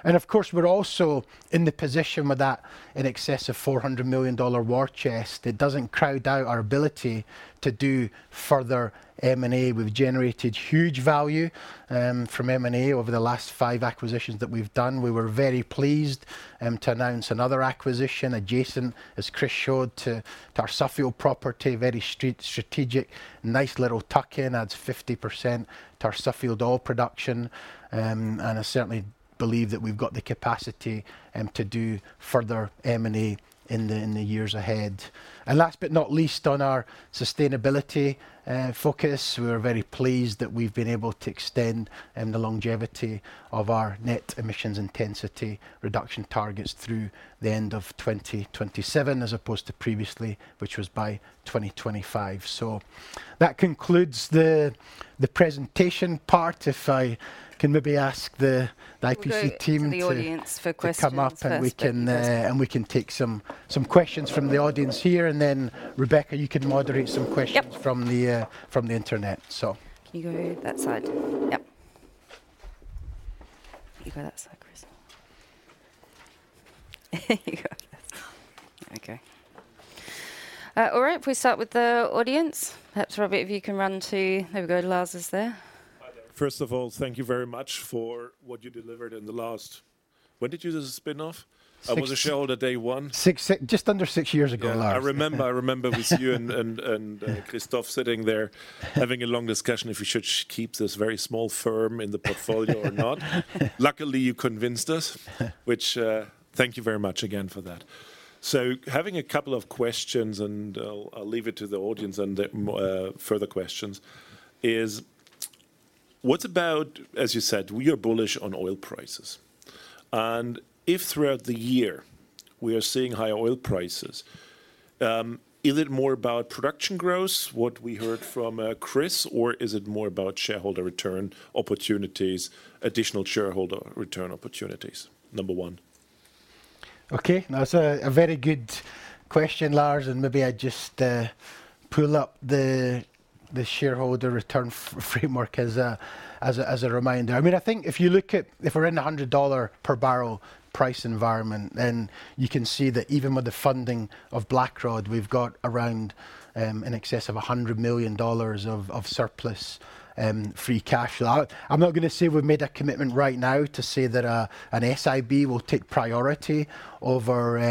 Of course, we're also in the position with that in excess of $400 million war chest. It doesn't crowd out our ability to do further M&A. We've generated huge value from M&A over the last 5 acquisitions that we've done. We were very pleased to announce another acquisition adjacent, as Chris showed, to Suffield property. Very strategic, nice little tuck-in. Adds 50% to our Suffield oil production. I certainly believe that we've got the capacity to do further M&A in the years ahead. Last but not least, on our sustainability focus, we are very pleased that we've been able to extend the longevity of our net emissions intensity reduction targets through the end of 2027 as opposed to previously, which was by 2025. That concludes the presentation part. If I can maybe ask the IPC team to We'll go to the audience for questions first. to come up and we can, and we can take some questions from the audience here. Rebecca, you can moderate some questions from the, from the internet. Can you go that side? Yep. You go that side, Chris. You go. Okay. All right. We start with the audience. Perhaps, Robert, if you can run. There we go. Lars is there. Hi there. First of all, thank you very much for what you delivered in the last... When did you do the spinoff? 6 I was a shareholder day one. Just under 6 years ago, Lars. I remember with you and Christophe sitting there having a long discussion if we should keep this very small firm in the portfolio or not. Luckily, you convinced us, which, thank you very much again for that. Having a couple of questions, and I'll leave it to the audience and more further questions, is what about, as you said, we are bullish on oil prices. If throughout the year, we are seeing higher oil prices, is it more about production growth, what we heard from Chris, or is it more about shareholder return opportunities, additional shareholder return opportunities? Number one. Okay. No, it's a very good question, Lars, and maybe I just pull up the shareholder return framework as a reminder. I mean, I think if you look at if we're in the $100 per barrel price environment, you can see that even with the funding of Blackrod, we've got around in excess of $100 million of surplus free cash flow. I'm not gonna say we've made a commitment right now to say that an SIB will take priority over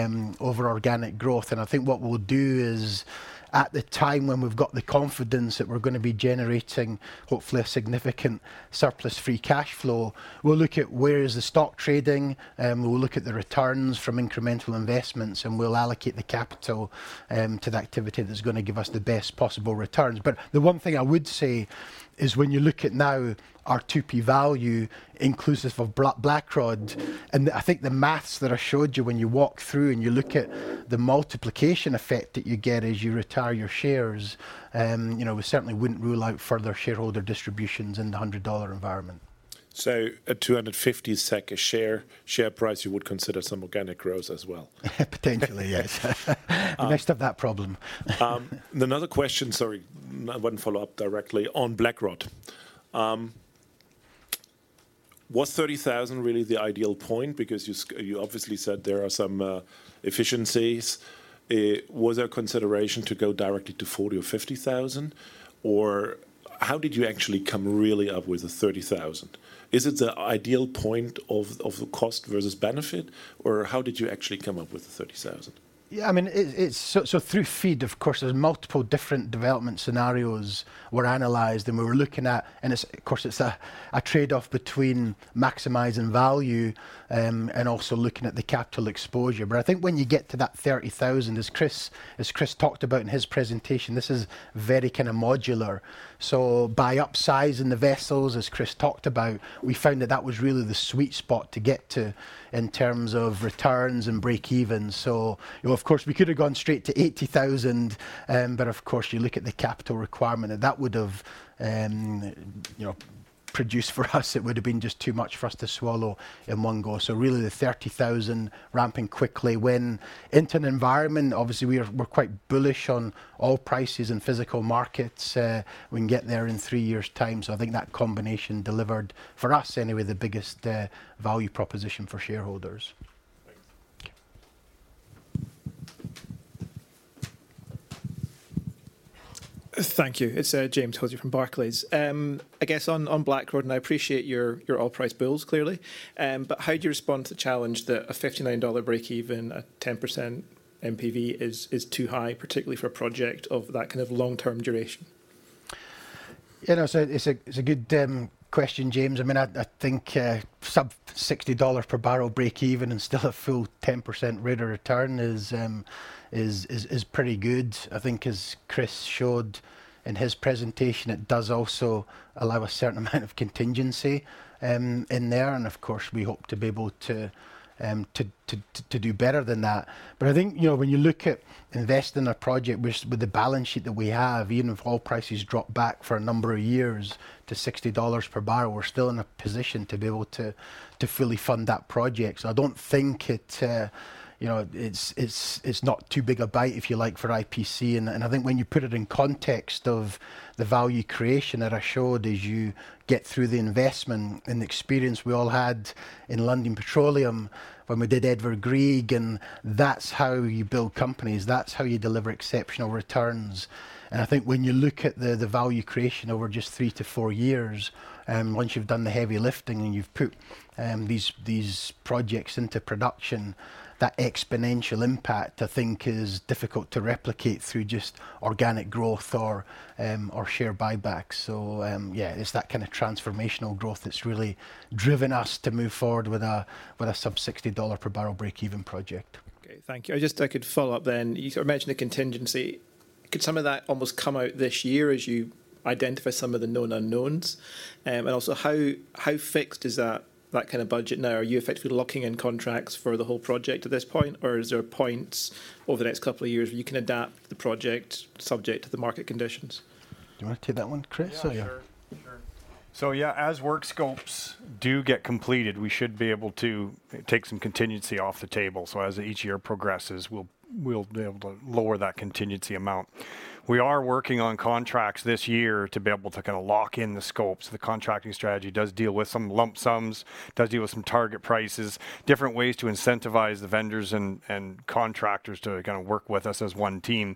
organic growth. I think what we'll do is at the time when we've got the confidence that we're gonna be generating hopefully a significant surplus free cash flow, we'll look at where is the stock trading, we'll look at the returns from incremental investments, and we'll allocate the capital to the activity that's gonna give us the best possible returns. The one thing I would say is when you look at now our 2P value inclusive of Blackrod. I think the math that I showed you when you walk through and you look at the multiplication effect that you get as you retire your shares, you know, we certainly wouldn't rule out further shareholder distributions in the $100 environment. At 250 SEK a share price, you would consider some organic growth as well? Potentially, yes. We messed up that problem. Another question. Sorry. One follow-up directly on Blackrod. Was 30,000 really the ideal point? You obviously said there are some efficiencies. Was there consideration to go directly to 40 or 50,000? How did you actually come really up with the 30,000? Is it the ideal point of the cost versus benefit? How did you actually come up with the 30,000? I mean, it. Through FEED, of course, there's multiple different development scenarios were analyzed, and we were looking at. It's, of course, it's a trade-off between maximizing value and also looking at the capital exposure. I think when you get to that 30,000, as Chris talked about in his presentation, this is very kind of modular. By upsizing the vessels, as Chris talked about, we found that that was really the sweet spot to get to in terms of returns and break evens. You know, of course, we could have gone straight to 80,000, but of course you look at the capital requirement, and that would have, you know, produced for us, it would have been just too much for us to swallow in one go. Really the 30,000 ramping quickly. When into an environment, obviously we are, we're quite bullish on oil prices in physical markets. We can get there in three years' time. I think that combination delivered, for us anyway, the biggest, value proposition for shareholders. Thanks. Okay. Thank you. It's James Hosie from Barclays. I guess on Blackrod, I appreciate your oil price bulls, clearly. How do you respond to the challenge that a $59 break even, a 10% NPV is too high, particularly for a project of that kind of long-term duration? You know, it's a, it's a good question, James. I mean, I think sub $60 per barrel break even and still a full 10% rate of return is pretty good. I think as Chris showed in his presentation, it does also allow a certain amount of contingency in there. Of course, we hope to be able to do better than that. I think, you know, when you look at investing in a project with the balance sheet that we have, even if oil prices drop back for a number of years to $60 per barrel, we're still in a position to be able to fully fund that project. I don't think it, you know, it's not too big a bite, if you like, for IPC. I think when you put it in context of the value creation that I showed as you get through the investment and the experience we all had in Lundin Petroleum when we did Edvard Grieg, and that's how you build companies. That's how you deliver exceptional returns. I think when you look at the value creation over just 3-4 years, once you've done the heavy lifting and you've put these projects into production, that exponential impact, I think, is difficult to replicate through just organic growth or share buybacks. Yeah, it's that kind of transformational growth that's really driven us to move forward with a sub $60 per barrel break even project. Okay, thank you. I could follow up then. You sort of mentioned a contingency. Could some of that almost come out this year as you identify some of the known unknowns? How fixed is that kind of budget now? Are you effectively locking in contracts for the whole project at this point? Is there points over the next couple of years where you can adapt the project subject to the market conditions? Do you wanna take that one, Chris? Or. Yeah, sure. Sure. Yeah, as work scopes do get completed, we should be able to take some contingency off the table. As each year progresses, we'll be able to lower that contingency amount. We are working on contracts this year to be able to kind of lock in the scopes. The contracting strategy does deal with some lump sums, does deal with some target prices, different ways to incentivize the vendors and contractors to kind of work with us as one team.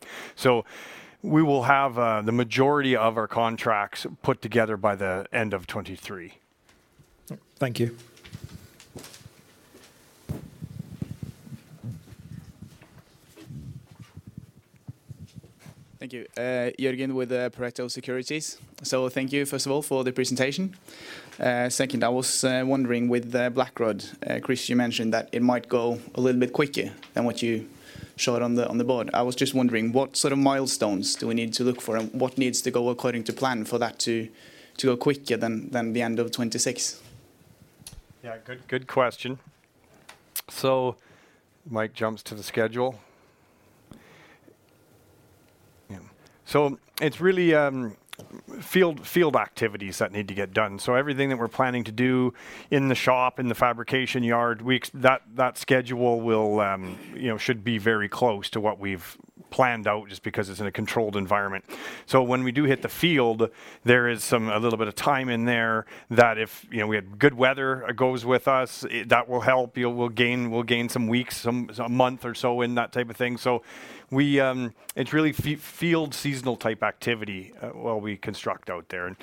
We will have the majority of our contracts put together by the end of 2023. Thank you. Thank you. Thank you. Jørgen with Pareto Securities. Thank you, first of all, for the presentation. Second, I was wondering with the Blackrod, Chris, you mentioned that it might go a little bit quicker than what you showed on the board. I was just wondering, what sort of milestones do we need to look for? What needs to go according to plan for that to go quicker than the end of 2026? Yeah, good question. Mike jumps to the schedule. So it's really field activities that need to get done. Everything that we're planning to do in the shop, in the fabrication yard, that schedule will, you know, should be very close to what we've planned out just because it's in a controlled environment. When we do hit the field, there is some a little bit of time in there that if, you know, we had good weather, goes with us, that will help. You know, we'll gain some weeks, some, a month or so in that type of thing. We, it's really field seasonal type activity while we construct out there.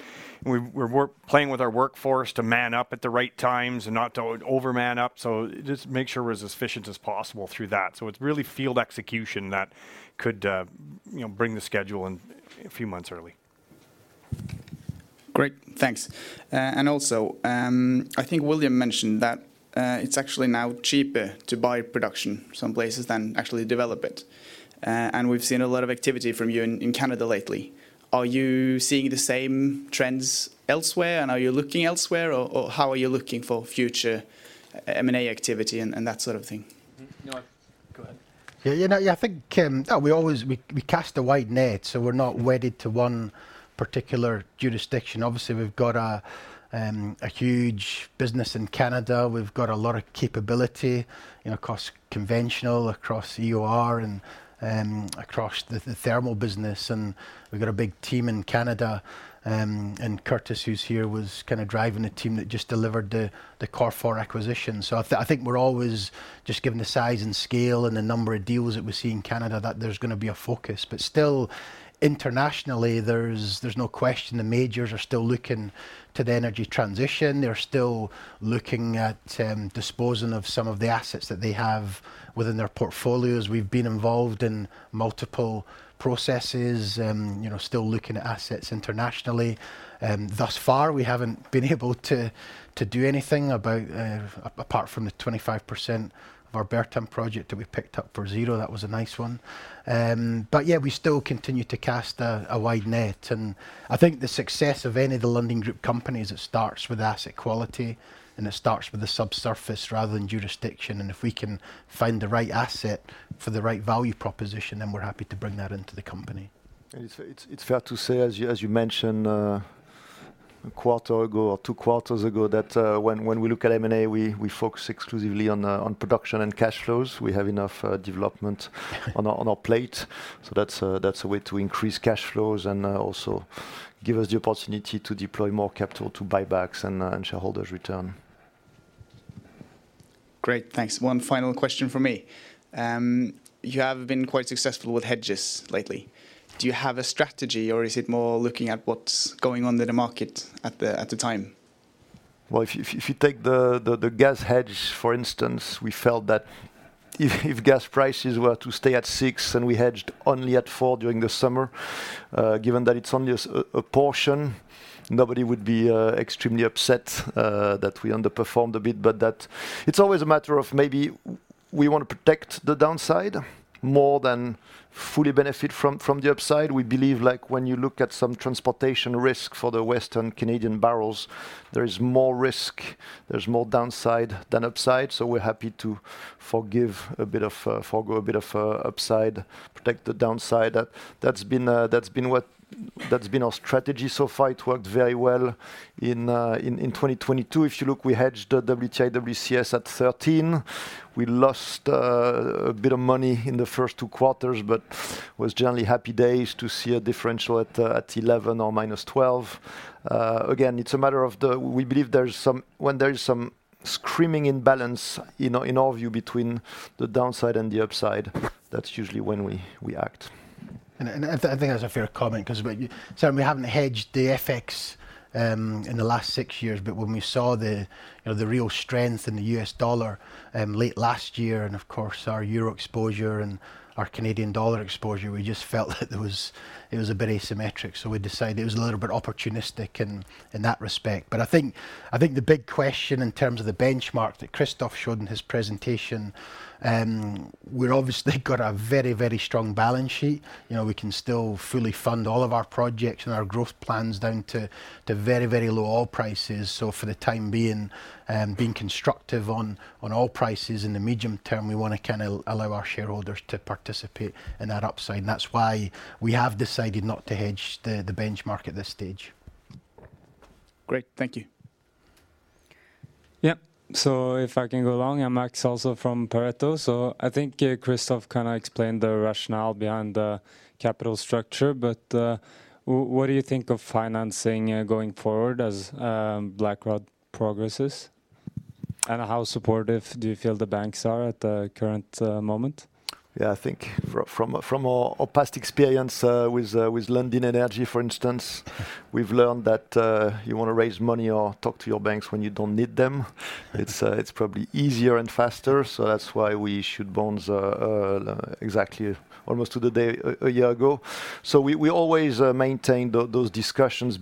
We're playing with our workforce to man up at the right times and not to over-man up. Just make sure we're as efficient as possible through that. It's really field execution that could, you know, bring the schedule in a few months early. Great. Thanks. I think William mentioned that it's actually now cheaper to buy production some places than actually develop it. We've seen a lot of activity from you in Canada lately. Are you seeing the same trends elsewhere, or how are you looking for future M&A activity and that sort of thing? No, go ahead. Yeah, you know, yeah, I think, we cast a wide net, so we're not wedded to one particular jurisdiction. Obviously, we've got a huge business in Canada. We've got a lot of capability, you know, across conventional, across EOR and across the thermal business, and we've got a big team in Canada. Curtis, who's here, was kind of driving a team that just delivered the Cor4 acquisition. I think we're always just given the size and scale and the number of deals that we see in Canada that there's gonna be a focus. Still, internationally, there's no question the majors are still looking to the energy transition. They're still looking at disposing of some of the assets that they have within their portfolios. We've been involved in multiple processes, you know, still looking at assets internationally. Thus far we haven't been able to do anything about, apart from the 25% of our Bertam project that we picked up for zero. That was a nice one. Yeah, we still continue to cast a wide net, and I think the success of any of the Lundin Group companies, it starts with asset quality, and it starts with the subsurface rather than jurisdiction. If we can find the right asset for the right value proposition, then we're happy to bring that into the company. It's fair to say, as you mentioned, a quarter ago or two quarters ago, that when we look at M&A, we focus exclusively on production and cash flows. We have enough development on our plate. That's a way to increase cash flows and also give us the opportunity to deploy more capital to buybacks and shareholders' return. Great. Thanks. One final question from me. You have been quite successful with hedges lately. Do you have a strategy, or is it more looking at what's going on in the market at the time? Well, if you take the gas hedge, for instance, we felt that if gas prices were to stay at 6 and we hedged only at 4 during the summer, given that it's only a portion, nobody would be extremely upset that we underperformed a bit. That. It's always a matter of maybe we want to protect the downside more than fully benefit from the upside. We believe, like, when you look at some transportation risk for the Western Canadian barrels, there is more risk, there's more downside than upside, so we're happy to forgive a bit of, forgo a bit of upside, protect the downside. That's been what, that's been our strategy so far. It worked very well in 2022. If you look, we hedged WTI, WCS at $13. We lost, a bit of money in the first 2 quarters, but was generally happy days to see a differential at $11 or -$12. Again, when there is some screaming imbalance, you know, in our view between the downside and the upside, that's usually when we act. I think that's a fair comment. Certainly we haven't hedged the FX in the last 6 years. When we saw the, you know, the real strength in the US dollar late last year, and of course our euro exposure and our Canadian dollar exposure, we just felt that there was. It was a bit asymmetric. We decided it was a little bit opportunistic in that respect. I think, I think the big question in terms of the benchmark that Christophe showed in his presentation, we're obviously got a very, very strong balance sheet. You know, we can still fully fund all of our projects and our growth plans down to very, very low oil prices. For the time being constructive on oil prices in the medium term, we wanna kinda allow our shareholders to participate in that upside. That's why we have decided not to hedge the benchmark at this stage. Great. Thank you. If I can go along, I'm Max, also from Pareto. I think Christophe kind of explained the rationale behind the capital structure, but what do you think of financing going forward as Blackrod progresses? How supportive do you feel the banks are at the current moment? Yeah, I think from our past experience, with Lundin Energy, for instance, we've learned that you wanna raise money or talk to your banks when you don't need them. It's probably easier and faster, so that's why we issued bonds exactly almost to the day a year ago. We always maintain those discussions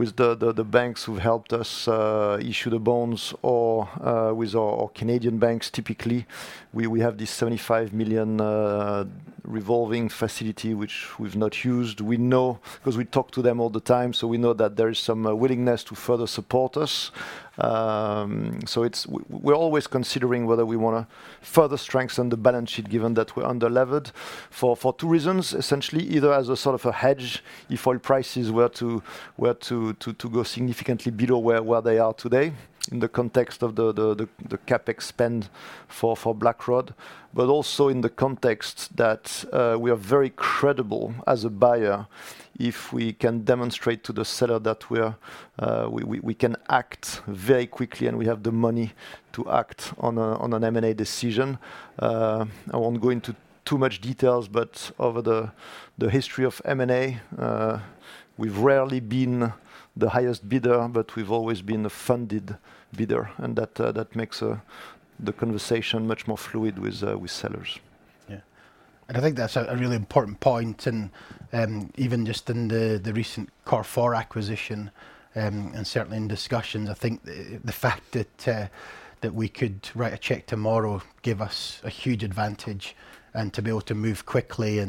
with the banks who helped us issue the bonds or with our Canadian banks. Typically, we have this 75 million Revolving facility which we've not used. We know, 'cause we talk to them all the time, we know that there is some willingness to further support us. It's we're always considering whether we wanna further strengthen the balance sheet given that we're under-levered for two reasons, essentially, either as a sort of a hedge if oil prices were to go significantly below where they are today in the context of the CapEx spend for Blackrod. Also in the context that we are very credible as a buyer if we can demonstrate to the seller that we're we can act very quickly and we have the money to act on an M&A decision. I won't go into too much details, but over the history of M&A, we've rarely been the highest bidder, but we've always been the funded bidder, and that makes the conversation much more fluid with sellers. Yeah. I think that's a really important point. Even just in the recent Cor4 acquisition, and certainly in discussions, I think the fact that we could write a check tomorrow give us a huge advantage and to be able to move quickly.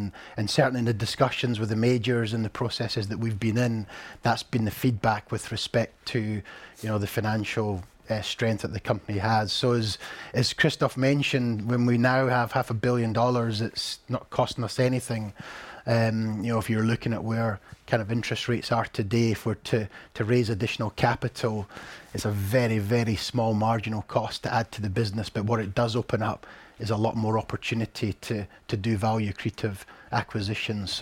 Certainly in the discussions with the majors and the processes that we've been in, that's been the feedback with respect to, you know, the financial strength that the company has. As Christophe mentioned, when we now have half a billion dollars, it's not costing us anything. You know, if you're looking at where kind of interest rates are today to raise additional capital, it's a very, very small marginal cost to add to the business. What it does open up is a lot more opportunity to do value-accretive acquisitions.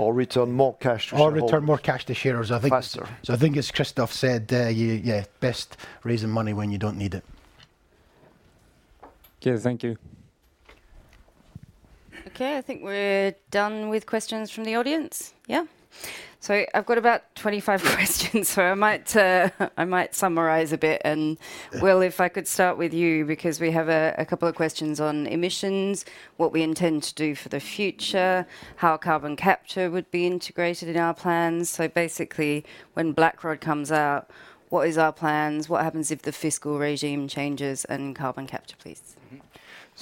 Return more cash to shareholders. return more cash to shareholders. Faster. I think as Christophe said, yeah, best raising money when you don't need it. Okay. Thank you. Okay. I think we're done with questions from the audience. Yeah? I've got about 25 questions so I might, I might summarize a bit. Yeah Will, if I could start with you, because we have a couple of questions on emissions, what we intend to do for the future, how carbon capture would be integrated in our plans. Basically, when Blackrod comes out, what is our plans, what happens if the fiscal regime changes, and carbon capture, please?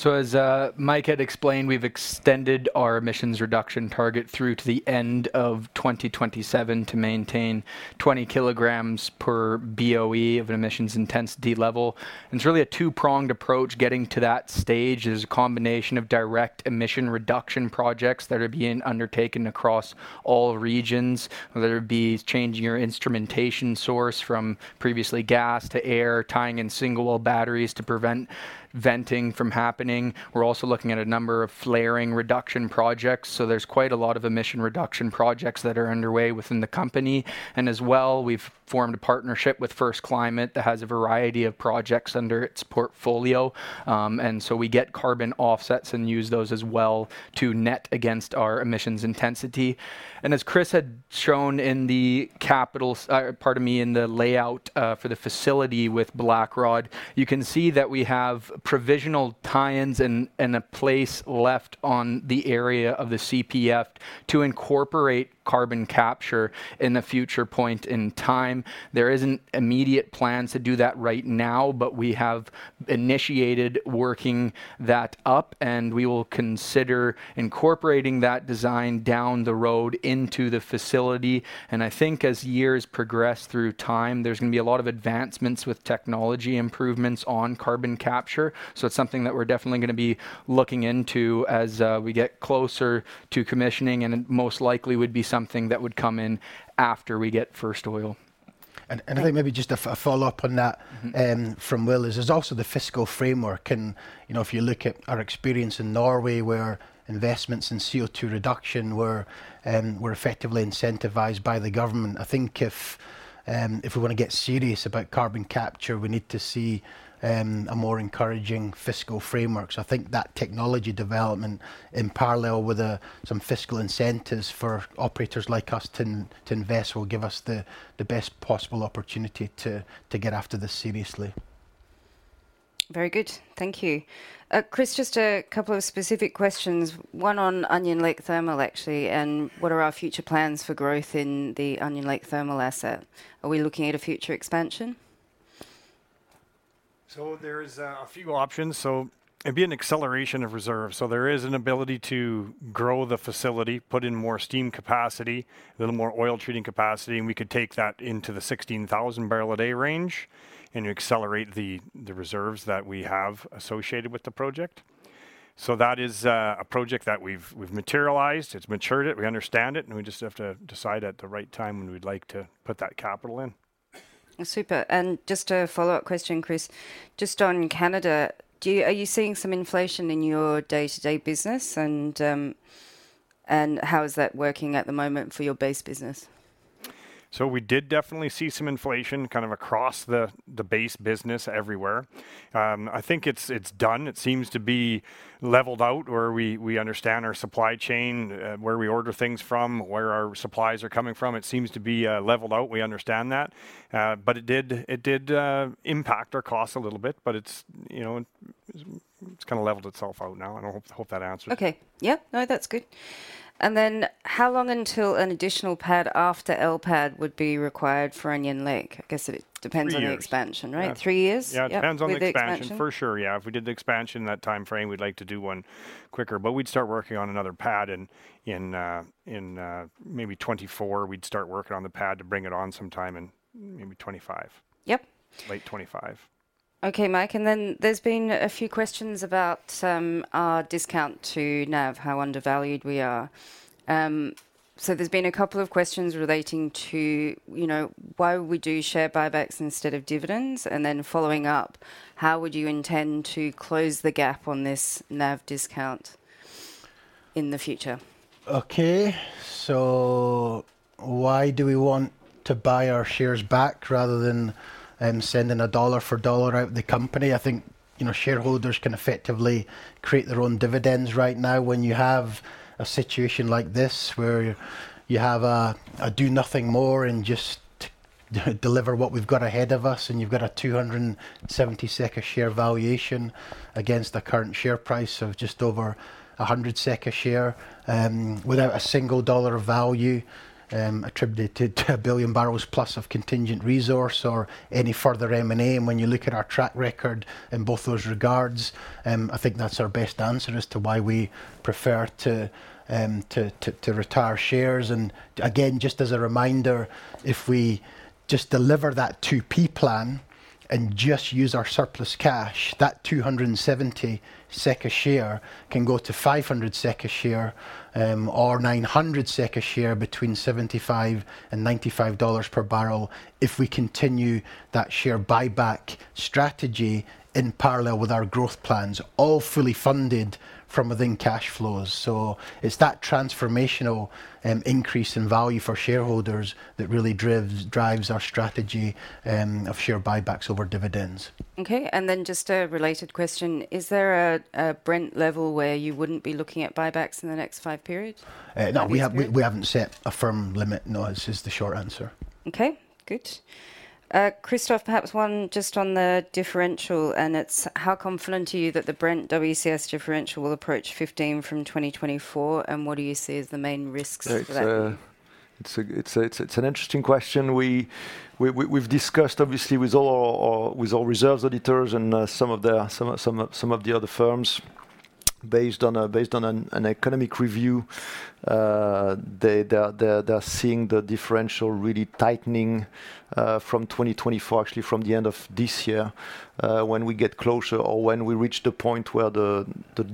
As Mike had explained, we've extended our emissions reduction target through to the end of 2027 to maintain 20kg per BOE of an emissions intensity level. It's really a two-pronged approach. Getting to that stage is a combination of direct emission reduction projects that are being undertaken across all regions, whether it be changing your instrumentation source from previously gas to air, tying in single oil batteries to prevent venting from happening. We're also looking at a number of flaring reduction projects, so there's quite a lot of emission reduction projects that are underway within the company. As well, we've formed a partnership with FirstClimate that has a variety of projects under its portfolio. We get carbon offsets and use those as well to net against our emissions intensity. As Chris had shown in the capital in the layout for the facility with Blackrod, you can see that we have provisional tie-ins and a place left on the area of the CPF to incorporate carbon capture in a future point in time. There isn't immediate plans to do that right now, but we have initiated working that up, and we will consider incorporating that design down the road into the facility. I think as years progress through time, there's gonna be a lot of advancements with technology improvements on carbon capture. It's something that we're definitely gonna be looking into as we get closer to commissioning and most likely would be something that would come in after we get first oil. I think maybe just a follow-up on that from Will is there's also the fiscal framework. You know, if you look at our experience in Norway where investments in CO2 reduction were effectively incentivized by the government, I think if we wanna get serious about carbon capture, we need to see a more encouraging fiscal framework. I think that technology development in parallel with some fiscal incentives for operators like us to invest will give us the best possible opportunity to get after this seriously. Very good. Thank you. Chris, just a couple of specific questions, one on Onion Lake Thermal, actually. What are our future plans for growth in the Onion Lake Thermal asset? Are we looking at a future expansion? There's a few options. It'd be an acceleration of reserves. There is an ability to grow the facility, put in more steam capacity, a little more oil treating capacity, and we could take that into the 16,000 barrel a day range and accelerate the reserves that we have associated with the project. That is a project that we've materialized, it's matured it, we understand it, and we just have to decide at the right time when we'd like to put that capital in. Super. Just a follow-up question, Chris, just on Canada, are you seeing some inflation in your day-to-day business? How is that working at the moment for your base business? We did definitely see some inflation kind of across the base business everywhere. I think it's done. It seems to be leveled out where we understand our supply chain, where we order things from, where our supplies are coming from. It seems to be leveled out. We understand that. It did impact our costs a little bit, but it's, you know, it's kinda leveled itself out now. I hope that answers. Okay. Yep. No, that's good. How long until an additional pad after Pad L would be required for Onion Lake? I guess it depends. Three years.... on the expansion, right? Yeah. Three years? Yeah. Depends on the expansion. With the expansion. For sure, yeah. If we did the expansion in that timeframe, we'd like to do one quicker. We'd start working on another pad in maybe 2024. We'd start working on the pad to bring it on some time in maybe 2025. Yep. Late 2025. Okay, Mike. There's been a few questions about our discount to NAV, how undervalued we are. There's been a couple of questions relating to, you know, why we do share buybacks instead of dividends. Following up, how would you intend to close the gap on this NAV discount in the future? Why do we want to buy our shares back rather than, sending a dollar for dollar out the company? I think, you know, shareholders can effectively create their own dividends right now when you have a situation like this where you have a do nothing more and just deliver what we've got ahead of us, and you've got a 270 SEK a share valuation against the current share price of just over a 100 SEK a share, without $1 of value attributed to 1 billion barrels plus of contingent resource or any further M&A. When you look at our track record in both those regards, I think that's our best answer as to why we prefer to retire shares. Again, just as a reminder, if we just deliver that 2P plan and just use our surplus cash, that 270 SEK a share can go to 500 SEK a share, or 900 SEK a share between $75 and $95 per barrel if we continue that share buyback strategy in parallel with our growth plans, all fully funded from within cash flows. It's that transformational increase in value for shareholders that really drives our strategy of share buybacks over dividends. Okay. Then just a related question, is there a Brent level where you wouldn't be looking at buybacks in the next five periods? no, we haven't set a firm limit, no. Is the short answer. Okay, good. Christophe, perhaps one just on the differential, and it's how confident are you that the Brent WCS differential will approach 15 from 2024? What do you see as the main risks for that? It's an interesting question. We've discussed obviously with all our, with our reserves auditors and some of the other firms based on an economic review, they're seeing the differential really tightening from 2024, actually from the end of this year, when we get closer or when we reach the point where the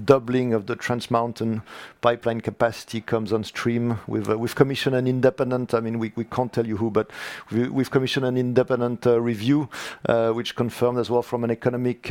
doubling of the Trans Mountain Pipeline capacity comes on stream. We've commissioned an independent... I mean, we can't tell you who, but we've commissioned an independent, review, which confirmed as well from an economic,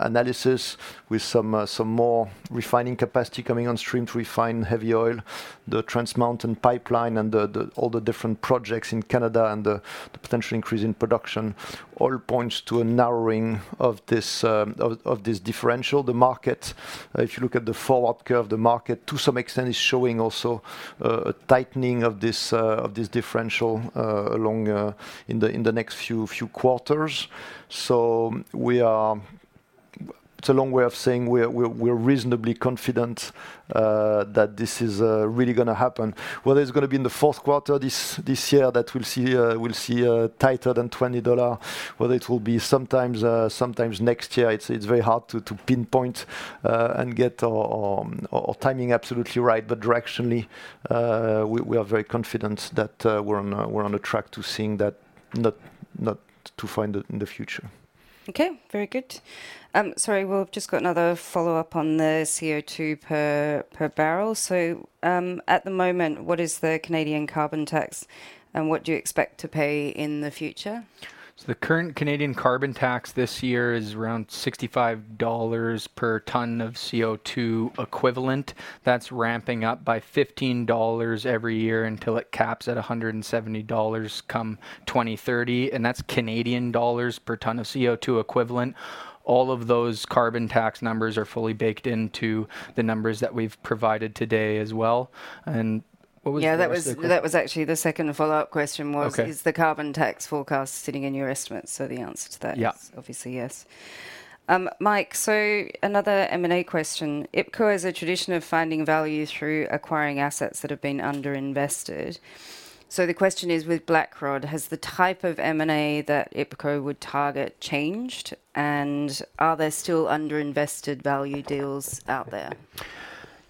analysis with some more refining capacity coming on stream to refine heavy oil, the Trans Mountain Pipeline and the all the different projects in Canada and the potential increase in production all points to a narrowing of this of this differential. The market, if you look at the forward curve, the market to some extent is showing also, a tightening of this of this differential, along, in the next few quarters. It's a long way of saying we're reasonably confident, that this is really gonna happen. Whether it's gonna be in the fourth quarter this year that we'll see, we'll see a tighter than $20, whether it will be sometimes next year, it's very hard to pinpoint and get our timing absolutely right. Directionally, we are very confident that we're on a track to seeing that not to find it in the future. Okay, very good. Sorry, we've just got another follow-up on the CO2 per barrel. At the moment, what is the Canadian carbon tax, and what do you expect to pay in the future? The current Canadian carbon tax this year is around 65 dollars per ton of CO2 equivalent. That's ramping up by 15 dollars every year until it caps at 170 dollars come 2030, and that's Canadian dollars per ton of CO2 equivalent. All of those carbon tax numbers are fully baked into the numbers that we've provided today as well. Yeah, that was actually the second follow-up question. Is the carbon tax forecast sitting in your estimatesi? Is obviously yes. Mike, another M&A question. IPCO has a tradition of finding value through acquiring assets that have been underinvested. The question is, with Blackrod, has the type of M&A that IPCO would target changed? Are there still underinvested value deals out there?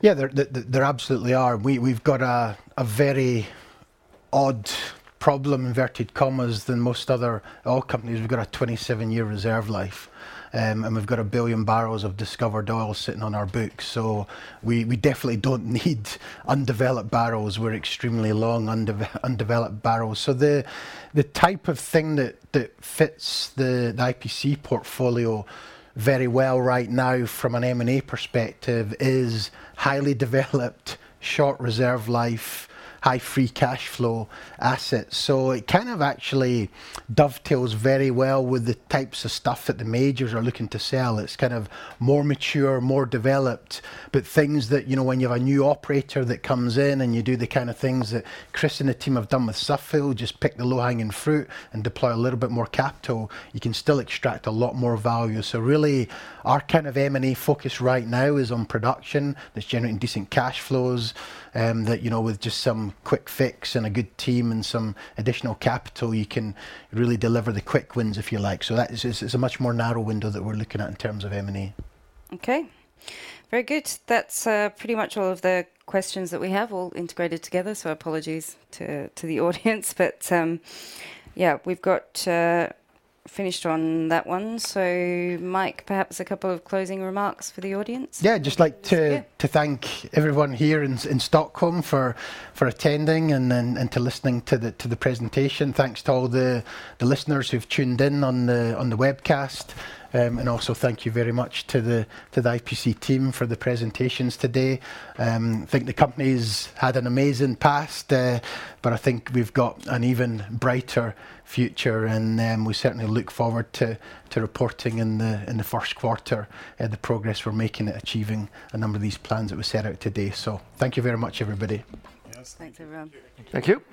Yeah, there absolutely are. We've got a very odd problem, inverted commas, than most other oil companies. We've got a 27-year reserve life, and we've got 1 billion barrels of discovered oil sitting on our books. We definitely don't need undeveloped barrels. We're extremely long undeveloped barrels. The type of thing that fits the IPC portfolio very well right now from an M&A perspective is highly developed, short reserve life, high free cash flow assets. It kind of actually dovetails very well with the types of stuff that the majors are looking to sell. It's kind of more mature, more developed. Things that, you know, when you have a new operator that comes in and you do the kind of things that Chris and the team have done with Suffield, just pick the low-hanging fruit and deploy a little bit more capital, you can still extract a lot more value. Really, our kind of M&A focus right now is on production that's generating decent cash flows, that, you know, with just some quick fix and a good team and some additional capital, you can really deliver the quick wins, if you like. That is, it's a much more narrow window that we're looking at in terms of M&A. Okay. Very good. That's pretty much all of the questions that we have all integrated together, so apologies to the audience. Yeah, we've got finished on that one. Mike, perhaps a couple of closing remarks for the audience? Yeah. I'd just like to thank everyone here in Stockholm for attending and to listening to the presentation. Thanks to all the listeners who've tuned in on the webcast. Also thank you very much to the IPC team for the presentations today. I think the company's had an amazing past, but I think we've got an even brighter future, and we certainly look forward to reporting in the first quarter the progress we're making at achieving a number of these plans that we set out today. Thank you very much, everybody. Thanks, everyone. Thank you.